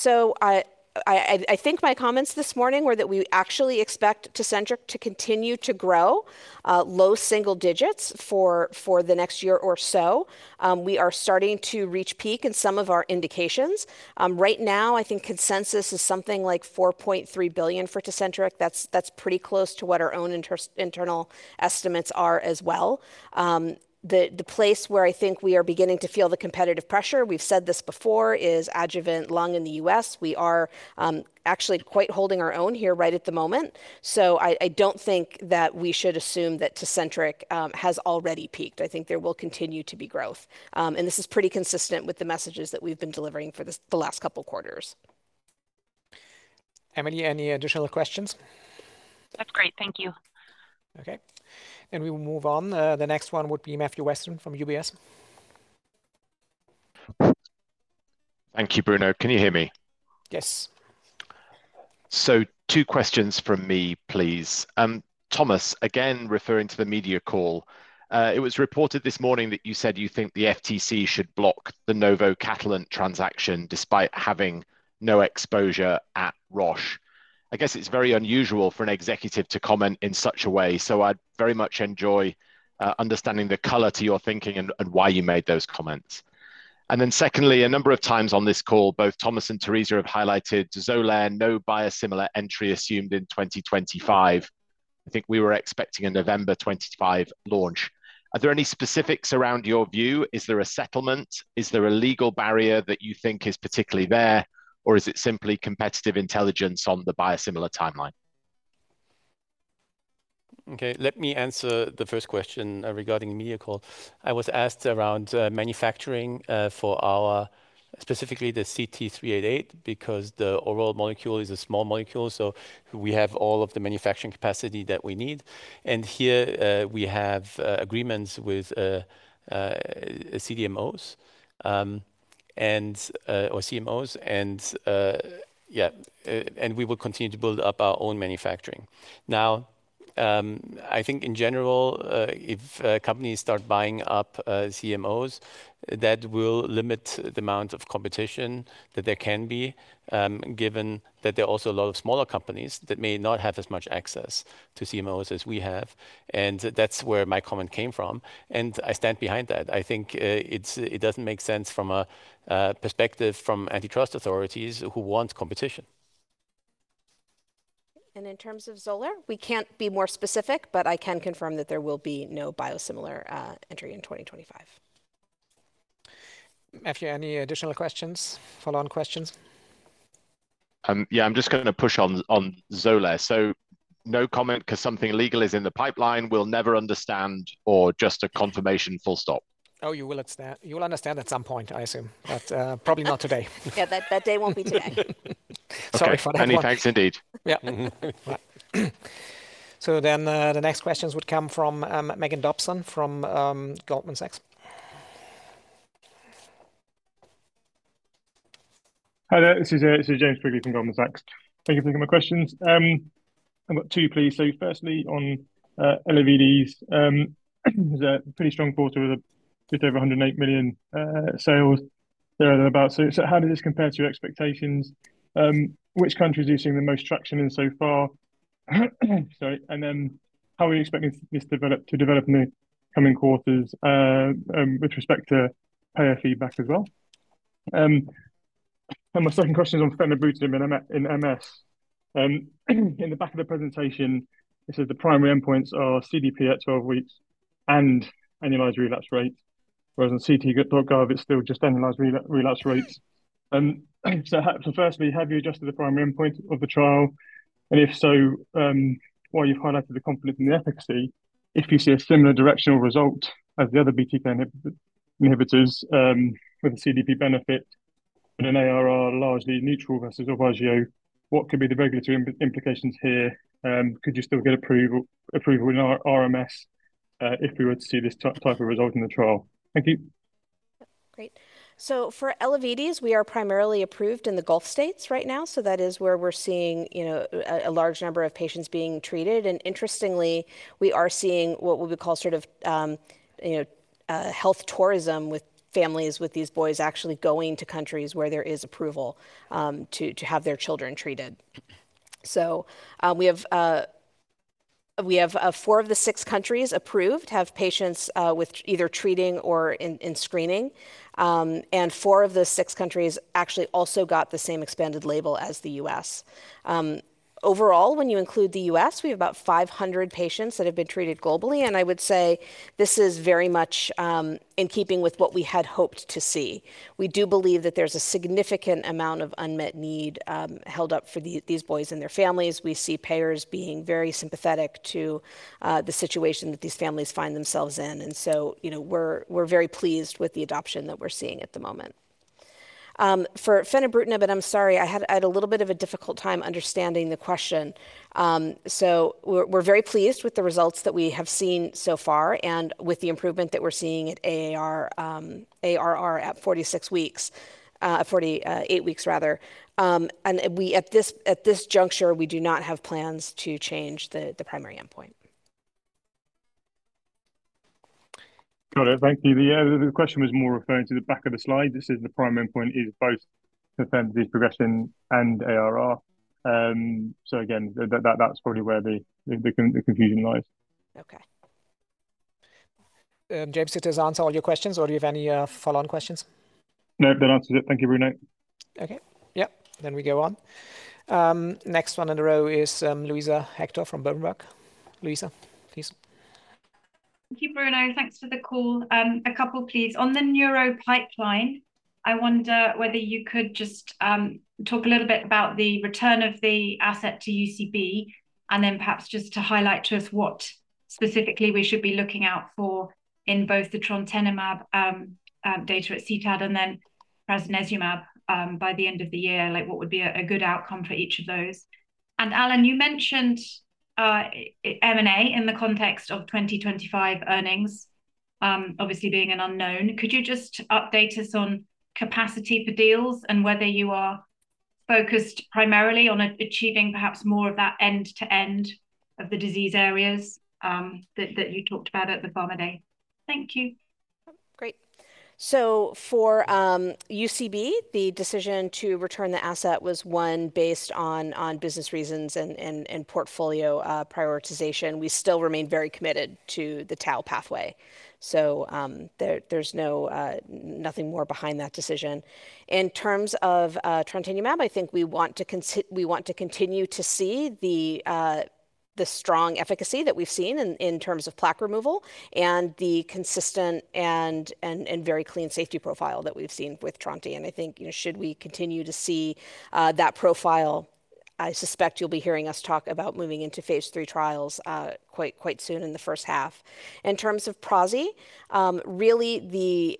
I think my comments this morning were that we actually expect Tecentriq to continue to grow low single digits for the next year or so. We are starting to reach peak in some of our indications. Right now, I think consensus is something like 4.3 billion for Tecentriq. That's pretty close to what our own internal estimates are as well. The place where I think we are beginning to feel the competitive pressure, we've said this before, is adjuvant lung in the U.S. We are actually quite holding our own here right at the moment, so I don't think that we should assume that Tecentriq has already peaked. I think there will continue to be growth. And this is pretty consistent with the messages that we've been delivering for this, the last couple quarters. Emily, any additional questions? That's great. Thank you. Okay, and we will move on. The next one would be Matthew Weston from UBS. Thank you, Bruno. Can you hear me? Yes. Two questions from me, please. Thomas, again, referring to the media call, it was reported this morning that you said you think the FTC should block the Novo Catalent transaction, despite having no exposure at Roche. I guess it's very unusual for an executive to comment in such a way, so I'd very much enjoy understanding the color to your thinking and why you made those comments. And then secondly, a number of times on this call, both Thomas and Teresa have highlighted Xolair, no biosimilar entry assumed in twenty twenty-five. I think we were expecting a November twenty twenty-five launch. Are there any specifics around your view? Is there a settlement? Is there a legal barrier that you think is particularly there, or is it simply competitive intelligence on the biosimilar timeline? Okay, let me answer the first question regarding the media call. I was asked around manufacturing for our specifically the CT-388, because the overall molecule is a small molecule, so we have all of the manufacturing capacity that we need. And here, we have agreements with CDMOs and or CMOs and yeah, and we will continue to build up our own manufacturing. Now-... I think in general, if companies start buying up CMOs, that will limit the amount of competition that there can be, given that there are also a lot of smaller companies that may not have as much access to CMOs as we have, and that's where my comment came from, and I stand behind that. I think it doesn't make sense from a perspective from antitrust authorities who want competition. In terms of Xolair, we can't be more specific, but I can confirm that there will be no biosimilar entry in 2025. Matthew, any additional questions, follow-on questions? Yeah, I'm just gonna push on Xolair. So no comment 'cause something legal is in the pipeline, we'll never understand, or just a confirmation, full stop? Oh, you will understand, you will understand at some point, I assume. But, probably not today. Yeah, that day won't be today. Sorry for that one. Okay. Many thanks indeed. Yeah. So then, the next questions would come from, Megan Dobson from, Goldman Sachs. Hi there. This is James Quigley from Goldman Sachs. Thank you for taking my questions. I've got two, please. So firstly, on Elevidys, it was a pretty strong quarter with just over 108 million sales thereabouts. So how does this compare to your expectations? Which countries are you seeing the most traction in so far? Sorry. And then how are you expecting this to develop in the coming quarters with respect to payer feedback as well? And my second question is on fenebrutinib in MS. In the back of the presentation, it says the primary endpoints are CDP at 12 weeks and annualized relapse rate, whereas on ct.gov, it's still just annualized relapse rates. So firstly, have you adjusted the primary endpoint of the trial? And if so, while you've highlighted the confidence in the efficacy, if you see a similar directional result as the other BTK inhibitors, with the CDP benefit and an ARR largely neutral versus Ocrevus, what could be the regulatory implications here? Could you still get approval in our RMS, if we were to see this type of result in the trial? Thank you. Great. So for Elevidys, we are primarily approved in the Gulf States right now, so that is where we're seeing, you know, a large number of patients being treated. And interestingly, we are seeing what we would call sort of, you know, health tourism with families, with these boys actually going to countries where there is approval, to have their children treated. So, we have four of the six countries approved have patients with either treating or in screening. And four of the six countries actually also got the same expanded label as the US. Overall, when you include the US, we have about 500 patients that have been treated globally, and I would say this is very much in keeping with what we had hoped to see. We do believe that there's a significant amount of unmet need held up for these boys and their families. We see payers being very sympathetic to the situation that these families find themselves in, and so, you know, we're very pleased with the adoption that we're seeing at the moment. For fenebrutinib, and I'm sorry, I had a little bit of a difficult time understanding the question. So we're very pleased with the results that we have seen so far and with the improvement that we're seeing at ARR at 46 weeks, 48 weeks rather, and we at this juncture, we do not have plans to change the primary endpoint. Got it. Thank you. The question was more referring to the back of the slide. It says the primary endpoint is both disease progression and ARR. So again, that's probably where the confusion lies. Okay. James, did this answer all your questions, or do you have any follow-on questions? No, that answers it. Thank you, Bruno. Okay. Yep. Then we go on. Next one in a row is, Luisa Hector from Berenberg. Luisa, please. Thank you, Bruno. Thanks for the call. A couple, please. On the neuro pipeline, I wonder whether you could just talk a little bit about the return of the asset to UCB, and then perhaps just to highlight to us what specifically we should be looking out for in both the Trontinemab data at CTAD and then prasnezumab by the end of the year, like, what would be a good outcome for each of those? And Alan, you mentioned M&A in the context of 2025 earnings, obviously being an unknown. Could you just update us on capacity for deals and whether you are focused primarily on achieving perhaps more of that end-to-end of the disease areas that you talked about at the Pharma Day? Thank you. Great. So for UCB, the decision to return the asset was one based on business reasons and portfolio prioritization. We still remain very committed to the tau pathway. So, there is no nothing more behind that decision. In terms of Trontinemab, I think we want to continue to see the strong efficacy that we've seen in terms of plaque removal and the consistent and very clean safety profile that we've seen with Tronte. And I think, you know, should we continue to see that profile, I suspect you'll be hearing us talk about moving into phase III trials quite soon in the first half. In terms of prasnezumab, really,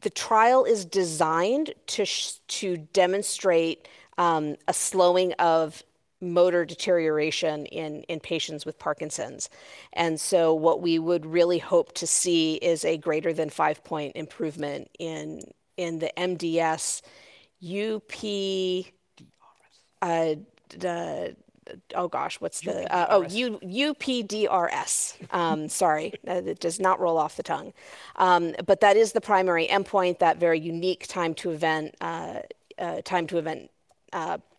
the trial is designed to demonstrate a slowing of motor deterioration in patients with Parkinson's. And so what we would really hope to see is a greater than five-point improvement in the MDS-UPDRS. That does not roll off the tongue. But that is the primary endpoint, that very unique time to event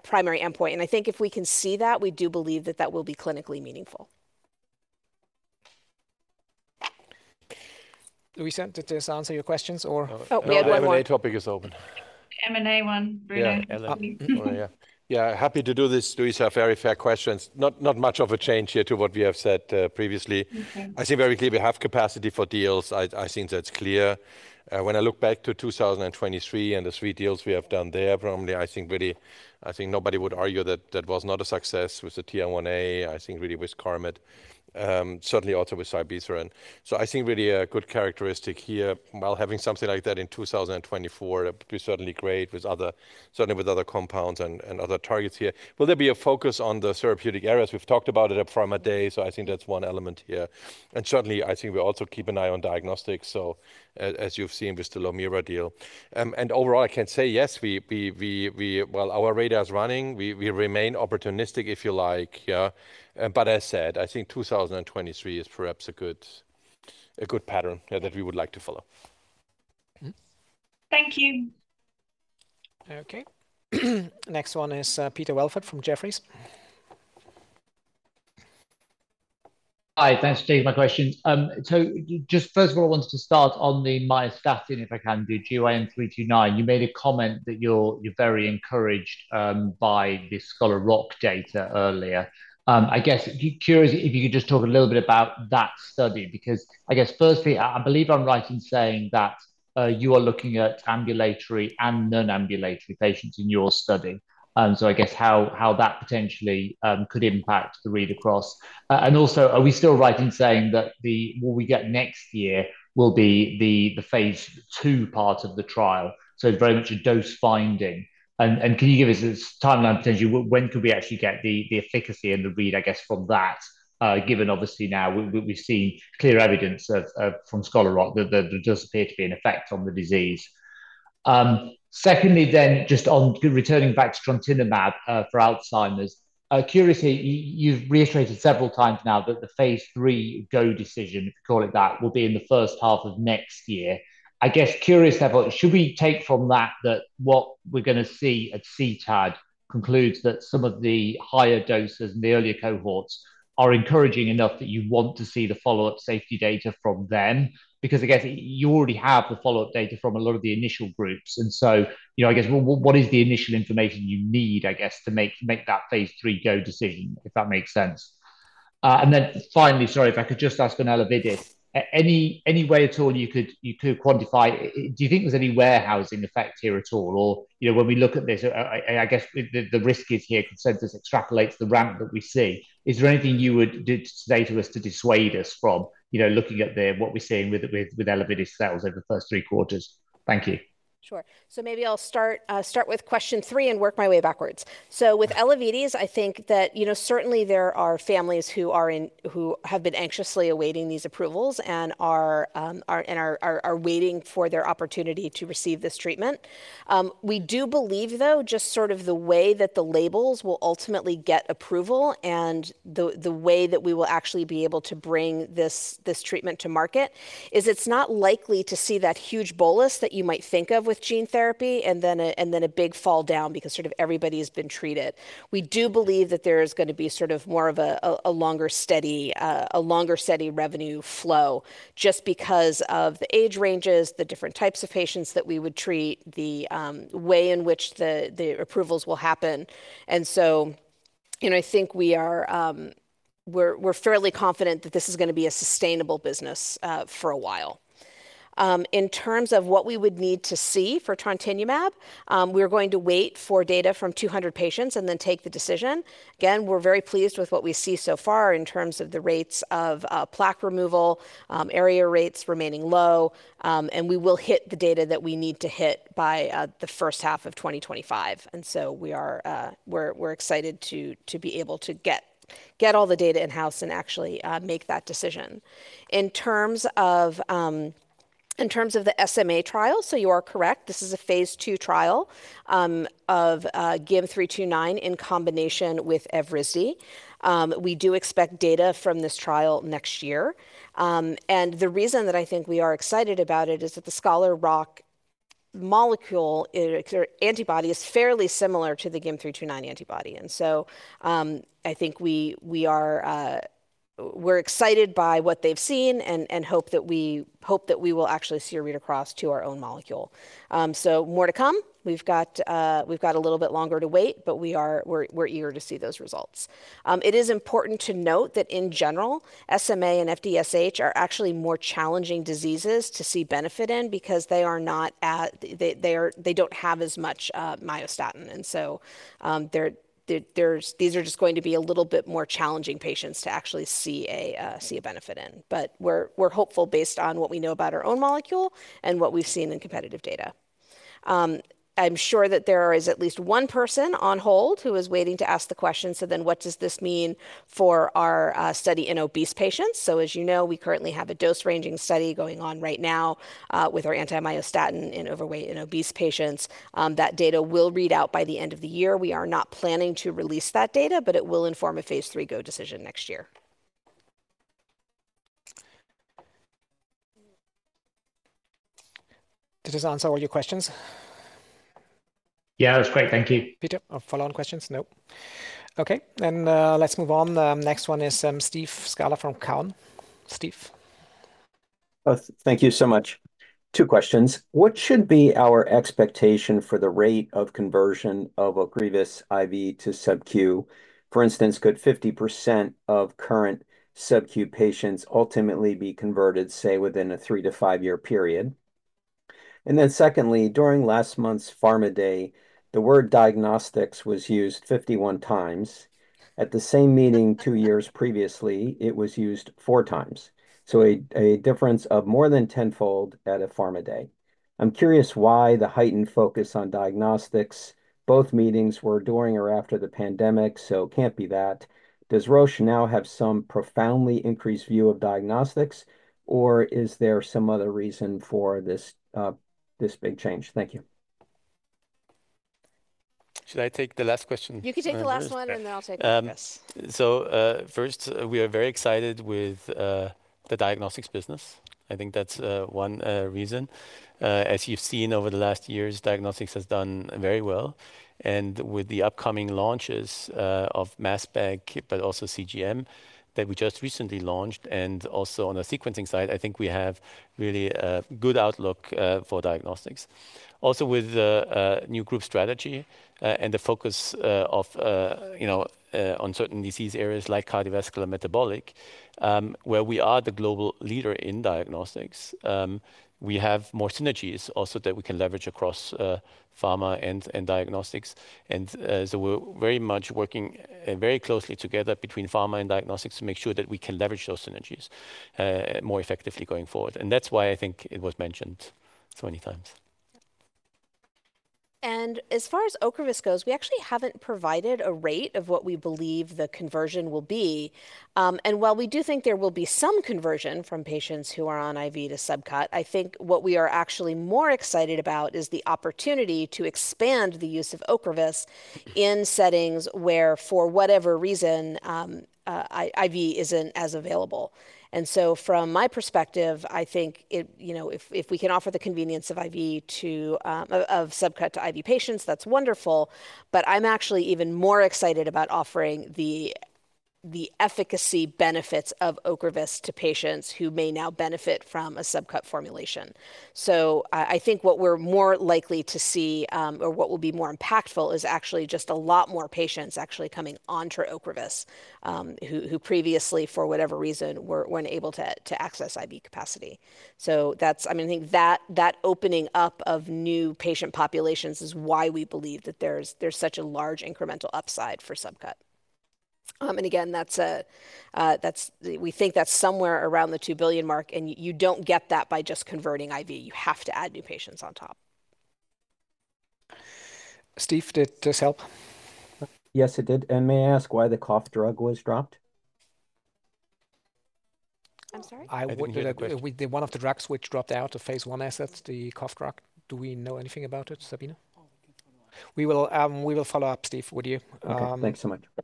primary endpoint. And I think if we can see that, we do believe that that will be clinically meaningful. Luisa, did this answer your questions or? Oh, we had one more. No, the M&A topic is open. M&A one, Bruno. Yeah, M&A. Oh, yeah. Yeah, happy to do this, Luisa. Very fair questions. Not much of a change here to what we have said previously. Okay. I think it's very clear we have capacity for deals. I think that's clear. When I look back to two thousand and twenty-three and the three deals we have done there, probably, I think really. I think nobody would argue that that was not a success with the TL1A, I think really with Carmot, certainly also with Zilebesiran. So I think really a good characteristic here. While having something like that in two thousand and twenty-four, that would be certainly great with other certainly with other compounds and other targets here. Will there be a focus on the therapeutic areas? We've talked about it upfront from day one, so I think that's one element here. And certainly, I think we also keep an eye on diagnostics, so as you've seen with the Lumira deal. And overall, I can say yes, we. Our radar is running. We remain opportunistic, if you like, yeah. But as said, I think 2023 is perhaps a good pattern, yeah, that we would like to follow. Mm-hmm. Thank you! Okay. Next one is, Peter Welford from Jefferies. Hi. Thanks for taking my question. So just first of all, I wanted to start on the myostatin, if I can, the GYM329. You made a comment that you're, you're very encouraged by the Scholar Rock data earlier. I guess, curious if you could just talk a little bit about that study, because I guess, firstly, I, I believe I'm right in saying that you are looking at ambulatory and non-ambulatory patients in your study. So I guess how, how that potentially could impact the read across. And also, are we still right in saying that the what we get next year will be the, the phase 2 part of the trial, so very much a dose finding? Can you give us a timeline potentially, when could we actually get the efficacy and the read, I guess, from that, given, obviously, now we've seen clear evidence of from Scholar Rock, that there does appear to be an effect on the disease? Secondly, then, just on returning back to Trontinemab for Alzheimer's. Curiously, you've reiterated several times now that the phase 3 go decision, if you call it that, will be in the first half of next year. I guess, curious about, should we take from that, that what we're gonna see at CTAD concludes that some of the higher doses in the earlier cohorts are encouraging enough that you want to see the follow-up safety data from them? Because I guess you already have the follow-up data from a lot of the initial groups, and so, you know, I guess what is the initial information you need, I guess, to make that phase 3 go decision, if that makes sense. And then finally, sorry, if I could just ask on Elevidys. Any way at all you could quantify. Do you think there is any warehousing effect here at all? Or, you know, when we look at this, I guess the risk is here, consensus extrapolates the ramp that we see. Is there anything you would say to us to dissuade us from, you know, looking at what we are seeing with Elevidys sales over the first three quarters? Thank you. Sure. So maybe I'll start with question three and work my way backwards. So with Elevidys, I think that, you know, certainly there are families who have been anxiously awaiting these approvals and are waiting for their opportunity to receive this treatment. We do believe, though, just sort of the way that the labels will ultimately get approval and the way that we will actually be able to bring this treatment to market, is it's not likely to see that huge bolus that you might think of with gene therapy, and then a big fall down because sort of everybody's been treated. We do believe that there is gonna be sort of more of a longer, steady revenue flow just because of the age ranges, the different types of patients that we would treat, the way in which the approvals will happen. And so, you know, I think we are... we're fairly confident that this is gonna be a sustainable business for a while. In terms of what we would need to see for Trontinemab, we're going to wait for data from 200 patients and then take the decision. Again, we're very pleased with what we see so far in terms of the rates of plaque removal, ARIA rates remaining low, and we will hit the data that we need to hit by the first half of 2025. And so we are, we're excited to be able to get all the data in-house and actually make that decision. In terms of the SMA trial, so you are correct, this is a phase two trial of GYM-329 in combination with Evrysdi. We do expect data from this trial next year. And the reason that I think we are excited about it is that the Scholar Rock molecule, or antibody, is fairly similar to the GYM-329 antibody. And so I think we are excited by what they've seen and hope that we will actually see a read across to our own molecule. So more to come. We've got a little bit longer to wait, but we are eager to see those results. It is important to note that in general, SMA and FSHD are actually more challenging diseases to see benefit in because they don't have as much myostatin, and so, these are just going to be a little bit more challenging patients to actually see a benefit in. But we're hopeful based on what we know about our own molecule and what we've seen in competitive data. I'm sure that there is at least one person on hold who is waiting to ask the question: so then what does this mean for our study in obese patients? So as you know, we currently have a dose-ranging study going on right now with our anti-myostatin in overweight and obese patients. That data will read out by the end of the year. We are not planning to release that data, but it will inform a phase three go decision next year.... Did this answer all your questions? Yeah, that was great. Thank you. Peter, follow-on questions? Nope. Okay, then, let's move on. The next one is, Steve Scala from Cowen. Steve? Oh, thank you so much. Two questions: What should be our expectation for the rate of conversion of Ocrevus IV to subQ? For instance, could 50% of current subQ patients ultimately be converted, say, within a 3- to 5-year period? And then secondly, during last month's Pharma Day, the word diagnostics was used 51 times. At the same meeting two years previously, it was used 4 times. So a difference of more than tenfold at a Pharma Day. I'm curious why the heightened focus on diagnostics. Both meetings were during or after the pandemic, so it can't be that. Does Roche now have some profoundly increased view of diagnostics, or is there some other reason for this big change? Thank you. Should I take the last question? You can take the last one, and then I'll take the- Um- Yes... so, first, we are very excited with the diagnostics business. I think that's one reason. As you've seen over the last years, diagnostics has done very well. And with the upcoming launches of MassSpec, but also CGM, that we just recently launched, and also on the sequencing side, I think we have really a good outlook for diagnostics. Also with the new group strategy and the focus of you know on certain disease areas like cardiovascular and metabolic, where we are the global leader in diagnostics, we have more synergies also that we can leverage across pharma and diagnostics. And so we're very much working very closely together between pharma and diagnostics to make sure that we can leverage those synergies more effectively going forward. That's why I think it was mentioned so many times. As far as Ocrevus goes, we actually haven't provided a rate of what we believe the conversion will be. And while we do think there will be some conversion from patients who are on IV to subcut, I think what we are actually more excited about is the opportunity to expand the use of Ocrevus in settings where, for whatever reason, IV isn't as available. And so, from my perspective, I think it, you know, if we can offer the convenience of subcut to IV patients, that's wonderful, but I'm actually even more excited about offering the efficacy benefits of Ocrevus to patients who may now benefit from a subcut formulation. So I think what we're more likely to see, or what will be more impactful is actually just a lot more patients actually coming onto Ocrevus, who previously, for whatever reason, weren't able to access IV capacity. So that's I mean, I think that opening up of new patient populations is why we believe that there's such a large incremental upside for subcut. And again, we think that's somewhere around the 2 billion mark, and you don't get that by just converting IV. You have to add new patients on top. Steve, did this help? Yes, it did, and may I ask why the cough drug was dropped? I'm sorry? I think you- One of the drugs which dropped out of phase I assets, the cough drug. Do we know anything about it, Zil? Oh, we can follow up. We will follow up, Steve, with you. Okay. Thanks so much. Oh,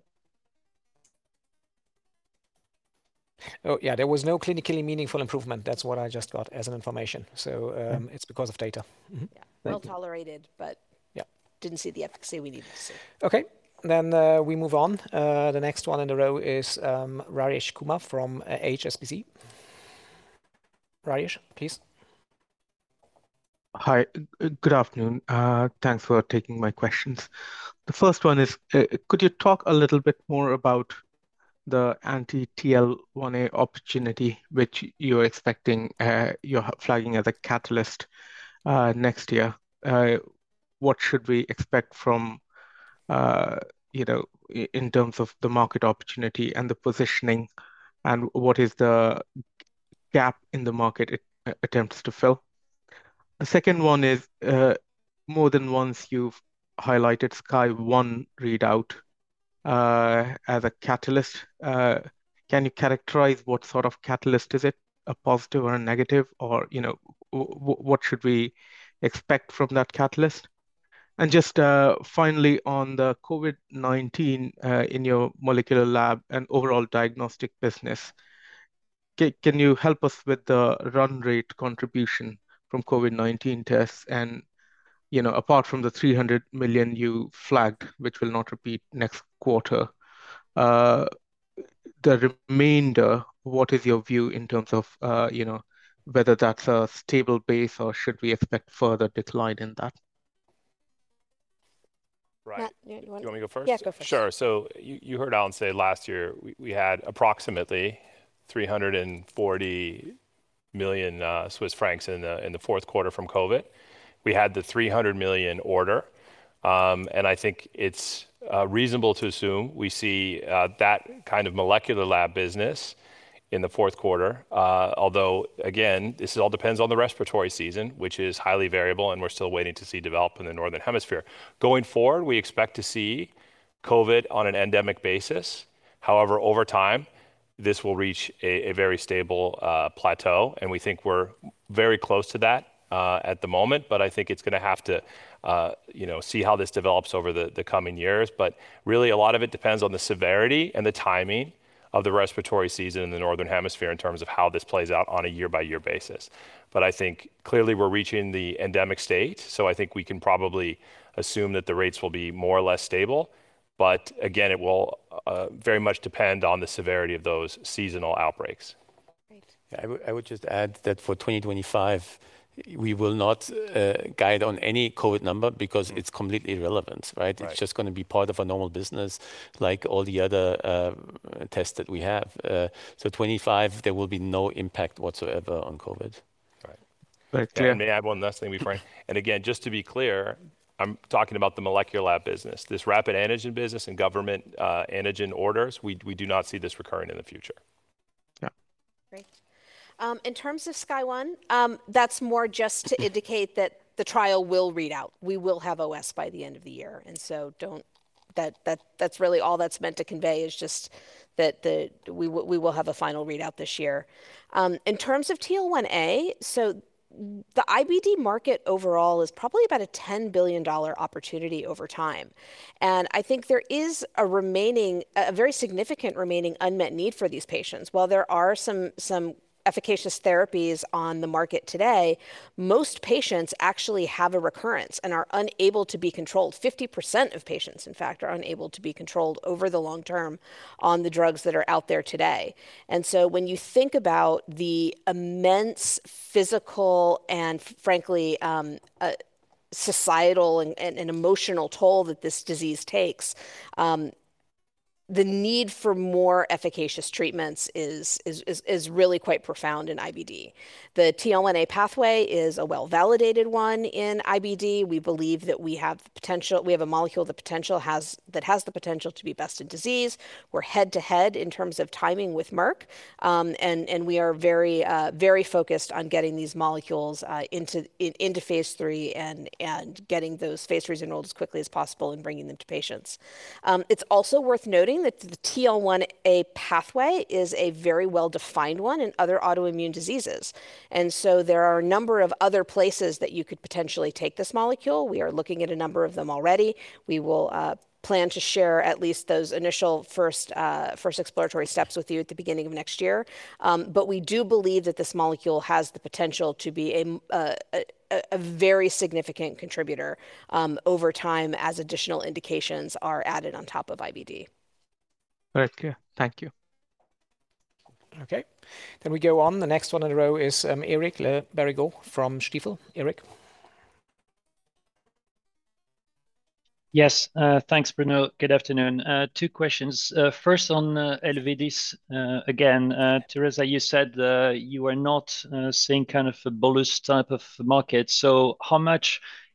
yeah, there was no clinically meaningful improvement. That's what I just got as an information. So, Mm... it's because of data. Mm-hmm. Yeah. Thank you. Well tolerated, but- Yeah... didn't see the efficacy we needed to see. Okay. Then, we move on. The next one in the row is Rajesh Kumar from HSBC. Rajesh, please. Hi. Good afternoon. Thanks for taking my questions. The first one is, could you talk a little bit more about the anti-TL1A opportunity, which you're expecting, you're flagging as a catalyst, next year? What should we expect from, you know, in terms of the market opportunity and the positioning, and what is the gap in the market it attempts to fill? The second one is, more than once you've highlighted SKYSCRAPER-01 readout, as a catalyst. Can you characterize what sort of catalyst is it? A positive or a negative or, you know, what should we expect from that catalyst? And just, finally, on the COVID-19, in your molecular lab and overall diagnostic business, can you help us with the run rate contribution from COVID-19 tests? And, you know, apart from the 300 million you flagged, which will not repeat next quarter, the remainder, what is your view in terms of, you know, whether that's a stable base, or should we expect further decline in that? Right. Matt, you want to- Do you want me to go first? Yes, go first. Sure. So you heard Alan say last year we had approximately 340 million Swiss francs in the fourth quarter from COVID. We had the 300 million order. And I think it's reasonable to assume we see that kind of molecular lab business in the fourth quarter. Although, again, this all depends on the respiratory season, which is highly variable, and we're still waiting to see develop in the Northern Hemisphere. Going forward, we expect to see COVID on an endemic basis. However, over time, this will reach a very stable plateau, and we think we're very close to that at the moment, but I think it's gonna have to you know see how this develops over the coming years. But really, a lot of it depends on the severity and the timing of the respiratory season in the Northern Hemisphere in terms of how this plays out on a year-by-year basis. But I think clearly we're reaching the endemic state, so I think we can probably assume that the rates will be more or less stable. But again, it will very much depend on the severity of those seasonal outbreaks.... I would just add that for 2025, we will not guide on any COVID number because it's completely irrelevant, right? Right. It's just gonna be part of our normal business, like all the other tests that we have. So 25, there will be no impact whatsoever on COVID. Right. Right. And may I add one last thing before... And again, just to be clear, I'm talking about the molecular lab business. This rapid antigen business and government antigen orders, we do not see this recurring in the future. Yeah. Great. In terms of SKYSCRAPER-01, that's more just to indicate that the trial will read out. We will have OS by the end of the year, and so that's really all that's meant to convey, is just that we will have a final readout this year. In terms of TL1A, so the IBD market overall is probably about a $10 billion opportunity over time, and I think there is a very significant remaining unmet need for these patients. While there are some efficacious therapies on the market today, most patients actually have a recurrence and are unable to be controlled. 50% of patients, in fact, are unable to be controlled over the long term on the drugs that are out there today. So when you think about the immense physical and frankly, societal and emotional toll that this disease takes, the need for more efficacious treatments is really quite profound in IBD. The TL1A pathway is a well-validated one in IBD. We believe that we have a molecule that has the potential to be best in disease. We're head-to-head in terms of timing with Merck. And we are very focused on getting these molecules into phase three and getting those phase threes enrolled as quickly as possible and bringing them to patients. It's also worth noting that the TL1A pathway is a very well-defined one in other autoimmune diseases, and so there are a number of other places that you could potentially take this molecule. We are looking at a number of them already. We will plan to share at least those initial first exploratory steps with you at the beginning of next year, but we do believe that this molecule has the potential to be a very significant contributor over time, as additional indications are added on top of IBD. Very clear. Thank you. Okay. Then we go on. The next one in a row is Eric Le Berrigaud from Stifel. Eric? Yes, thanks, Bruno. Good afternoon. Two questions. First on Elevidys. Again, Teresa, you said you are not seeing kind of a bolus type of market, so how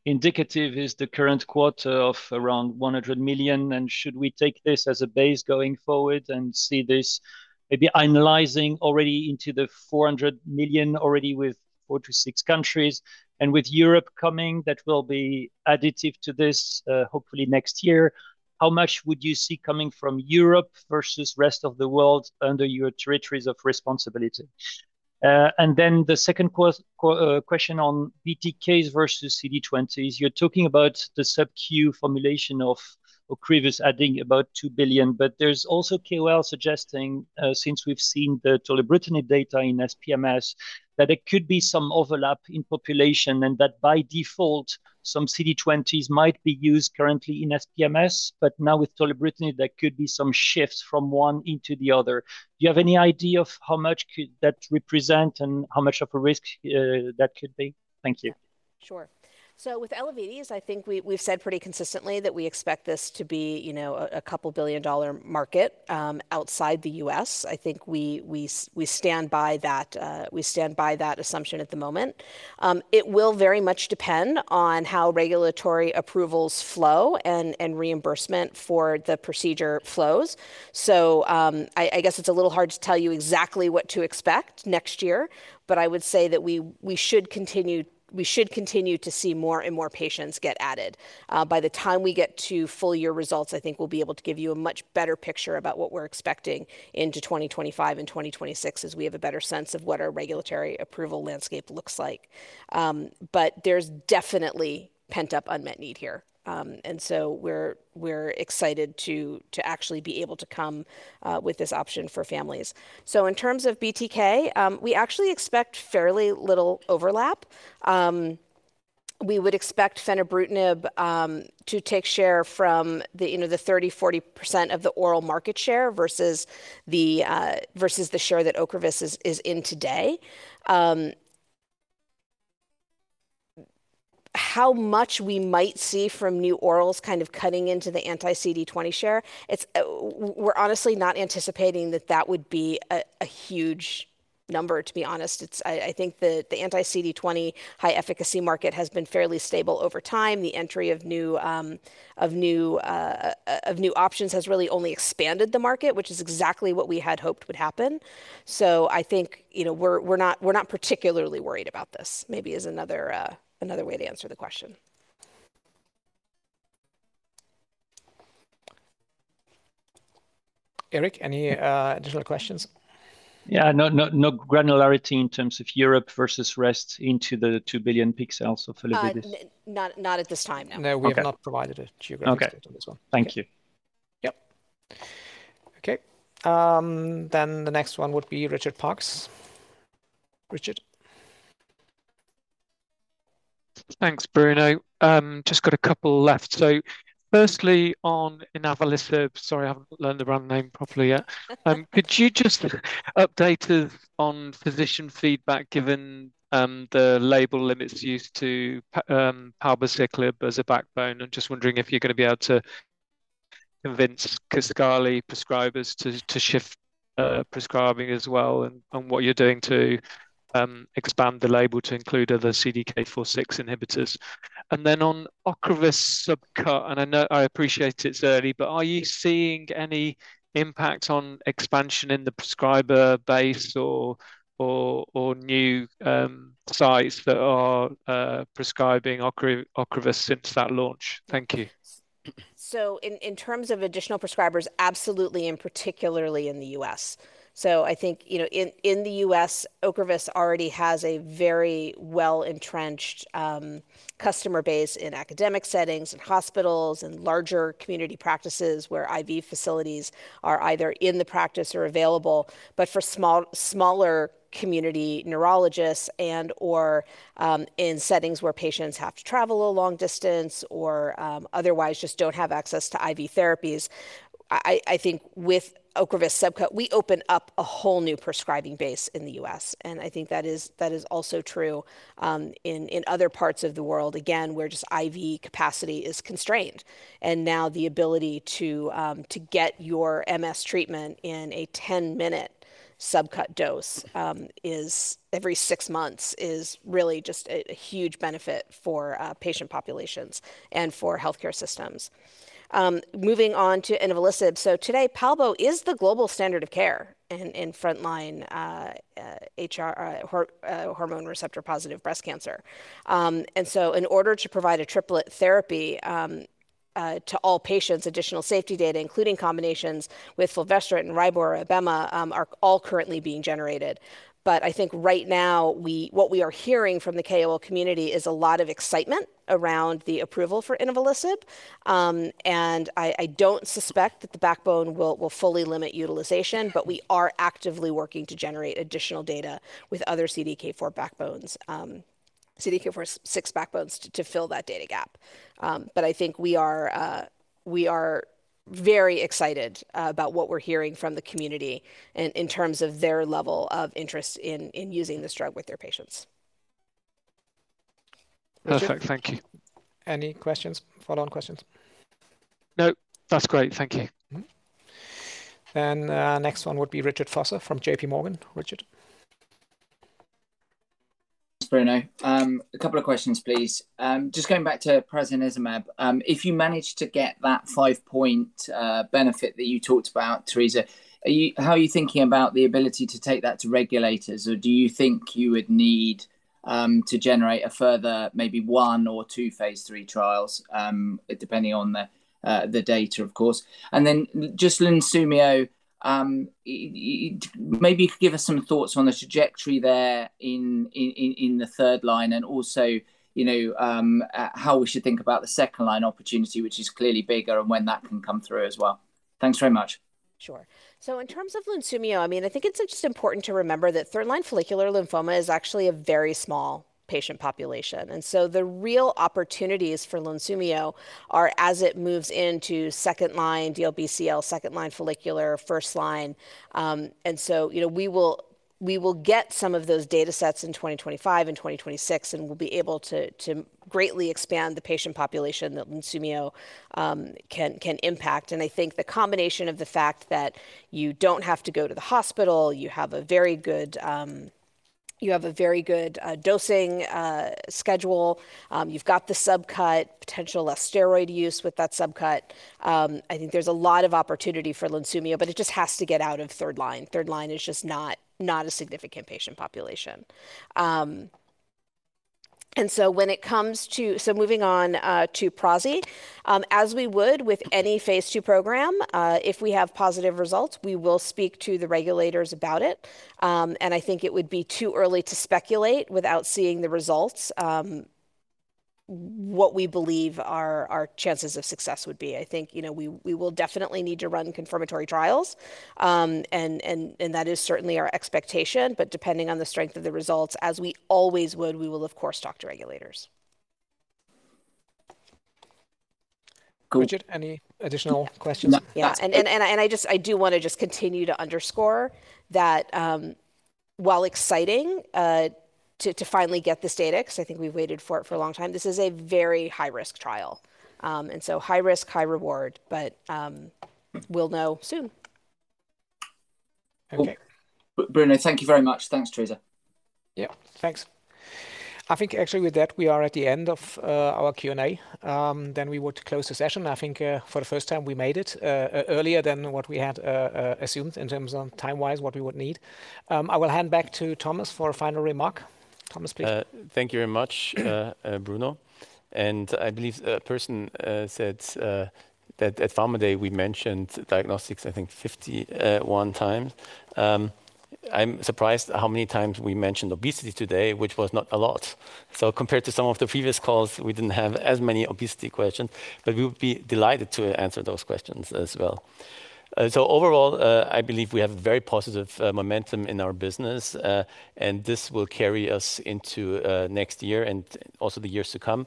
indicative is the current quarter of around 100 million? And should we take this as a base going forward and see this maybe annualizing already into the 400 million already with 4 to 6 countries? And with Europe coming, that will be additive to this, hopefully next year, how much would you see coming from Europe versus rest of the world under your territories of responsibility? And then the second question on BTKs versus CD20s. You're talking about the sub-Q formulation of Ocrevus adding about two billion, but there's also KOL suggesting, since we've seen the Tolebrutinib data in SPMS, that there could be some overlap in population, and that by default, some CD20s might be used currently in SPMS, but now with Tolebrutinib, there could be some shifts from one into the other. Do you have any idea of how much could that represent and how much of a risk that could be? Thank you. Sure. So with Elevidys, I think we've said pretty consistently that we expect this to be, you know, a couple billion-dollar market outside the US. I think we stand by that assumption at the moment. It will very much depend on how regulatory approvals flow and reimbursement for the procedure flows. So, I guess it's a little hard to tell you exactly what to expect next year, but I would say that we should continue to see more and more patients get added. By the time we get to full year results, I think we'll be able to give you a much better picture about what we're expecting into 2025 and 2026, as we have a better sense of what our regulatory approval landscape looks like. But there's definitely pent-up unmet need here. And so we're excited to actually be able to come with this option for families. So in terms of BTK, we actually expect fairly little overlap. We would expect Fenebrutinib to take share from the, you know, the 30-40% of the oral market share versus the share that Ocrevus is in today. How much we might see from new orals kind of cutting into the anti-CD20 share, it's. We're honestly not anticipating that that would be a huge number, to be honest. It's. I think the anti-CD20 high efficacy market has been fairly stable over time. The entry of new options has really only expanded the market, which is exactly what we had hoped would happen. So I think, you know, we're not particularly worried about this. Maybe is another way to answer the question. Eric, any additional questions? Yeah. No, no, no granularity in terms of Europe versus the rest of the 2 billion sales of Elevidys. Not at this time, no. No, we've not provided a geographic- Okay... on this one. Thank you. Yep. Okay, then the next one would be Richard Parkes. Richard? ... Thanks, Bruno. Just got a couple left. So firstly, on Inavolisib, sorry, I haven't learned the brand name properly yet. Could you just update us on physician feedback, given the label limits used to Palbociclib as a backbone? I'm just wondering if you're gonna be able to convince Kisqali prescribers to shift prescribing as well, and what you're doing to expand the label to include other CDK4/6 inhibitors. And then on Ocrevus subcut, and I know I appreciate it's early, but are you seeing any impact on expansion in the prescriber base or new sites that are prescribing Ocrevus since that launch? Thank you. So in terms of additional prescribers, absolutely, and particularly in the US. I think, you know, in the US, Ocrevus already has a very well-entrenched customer base in academic settings, in hospitals, and larger community practices where IV facilities are either in the practice or available. But for smaller community neurologists and/or in settings where patients have to travel a long distance or otherwise just don't have access to IV therapies, I think with Ocrevus subcut, we open up a whole new prescribing base in the US, and I think that is also true in other parts of the world, again, where just IV capacity is constrained. Now the ability to get your MS treatment in a ten-minute subcut dose is every six months is really just a huge benefit for patient populations and for healthcare systems. Moving on to inavolisib. Today, palbo is the global standard of care in frontline HR hormone receptor-positive breast cancer. And in order to provide a triplet therapy to all patients, additional safety data, including combinations with fulvestrant and ribo or abema, are all currently being generated. I think right now, we, what we are hearing from the KOL community is a lot of excitement around the approval for inavolisib. And I don't suspect that the backbone will fully limit utilization, but we are actively working to generate additional data with other CDK4 backbones, CDK4/6 backbones to fill that data gap. But I think we are very excited about what we're hearing from the community in terms of their level of interest in using this drug with their patients. Perfect. Thank you. Any questions? Follow-on questions? Nope, that's great. Thank you. Mm-hmm. Then, next one would be Richard Vosser from J.P. Morgan. Richard? Bruno, a couple of questions, please. Just going back to prasnezumab. If you manage to get that five-point benefit that you talked about, Teresa, how are you thinking about the ability to take that to regulators, or do you think you would need to generate a further maybe one or two phase three trials, depending on the data, of course? And then just Lunsumio, maybe give us some thoughts on the trajectory there in the third line and also, you know, how we should think about the second line opportunity, which is clearly bigger, and when that can come through as well. Thanks very much. Sure. So in terms of Lunsumio, I mean, I think it's just important to remember that third line follicular lymphoma is actually a very small patient population. And so the real opportunities for Lunsumio are as it moves into second-line DLBCL, second-line follicular, first line. And so, you know, we will get some of those datasets in 2025 and 2026, and we'll be able to greatly expand the patient population that Lunsumio can impact. And I think the combination of the fact that you don't have to go to the hospital, you have a very good dosing schedule, you've got the subcut, potential less steroid use with that subcut. I think there's a lot of opportunity for Lunsumio, but it just has to get out of third line. Third line is just not a significant patient population. So moving on to prasinezumab. As we would with any phase two program, if we have positive results, we will speak to the regulators about it. And I think it would be too early to speculate without seeing the results, what we believe our chances of success would be. I think, you know, we will definitely need to run confirmatory trials, and that is certainly our expectation, but depending on the strength of the results, as we always would, we will, of course, talk to regulators. Richard, any additional questions? No. Yeah, and I just, I do wanna just continue to underscore that, while exciting, to finally get this data, 'cause I think we've waited for it for a long time. This is a very high-risk trial, and so high risk, high reward, but we'll know soon. Okay. Bruno, thank you very much. Thanks, Teresa. Yeah, thanks. I think actually with that, we are at the end of our Q&A. Then we would close the session. I think, for the first time, we made it earlier than what we had assumed in terms of time-wise, what we would need. I will hand back to Thomas for a final remark. Thomas, please. Thank you very much, Bruno. And I believe a person said that at Pharma Day, we mentioned diagnostics, I think fifty-one time. I'm surprised at how many times we mentioned obesity today, which was not a lot. So compared to some of the previous calls, we didn't have as many obesity questions, but we would be delighted to answer those questions as well. So overall, I believe we have very positive momentum in our business, and this will carry us into next year and also the years to come.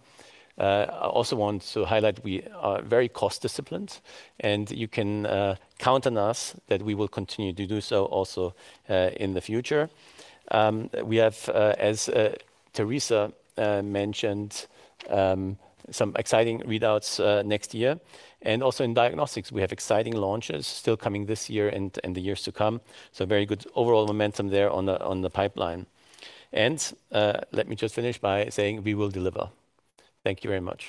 I also want to highlight we are very cost disciplined, and you can count on us that we will continue to do so also in the future. We have, as Teresa mentioned, some exciting readouts next year. And also in diagnostics, we have exciting launches still coming this year and the years to come. So very good overall momentum there on the pipeline. Let me just finish by saying we will deliver. Thank you very much.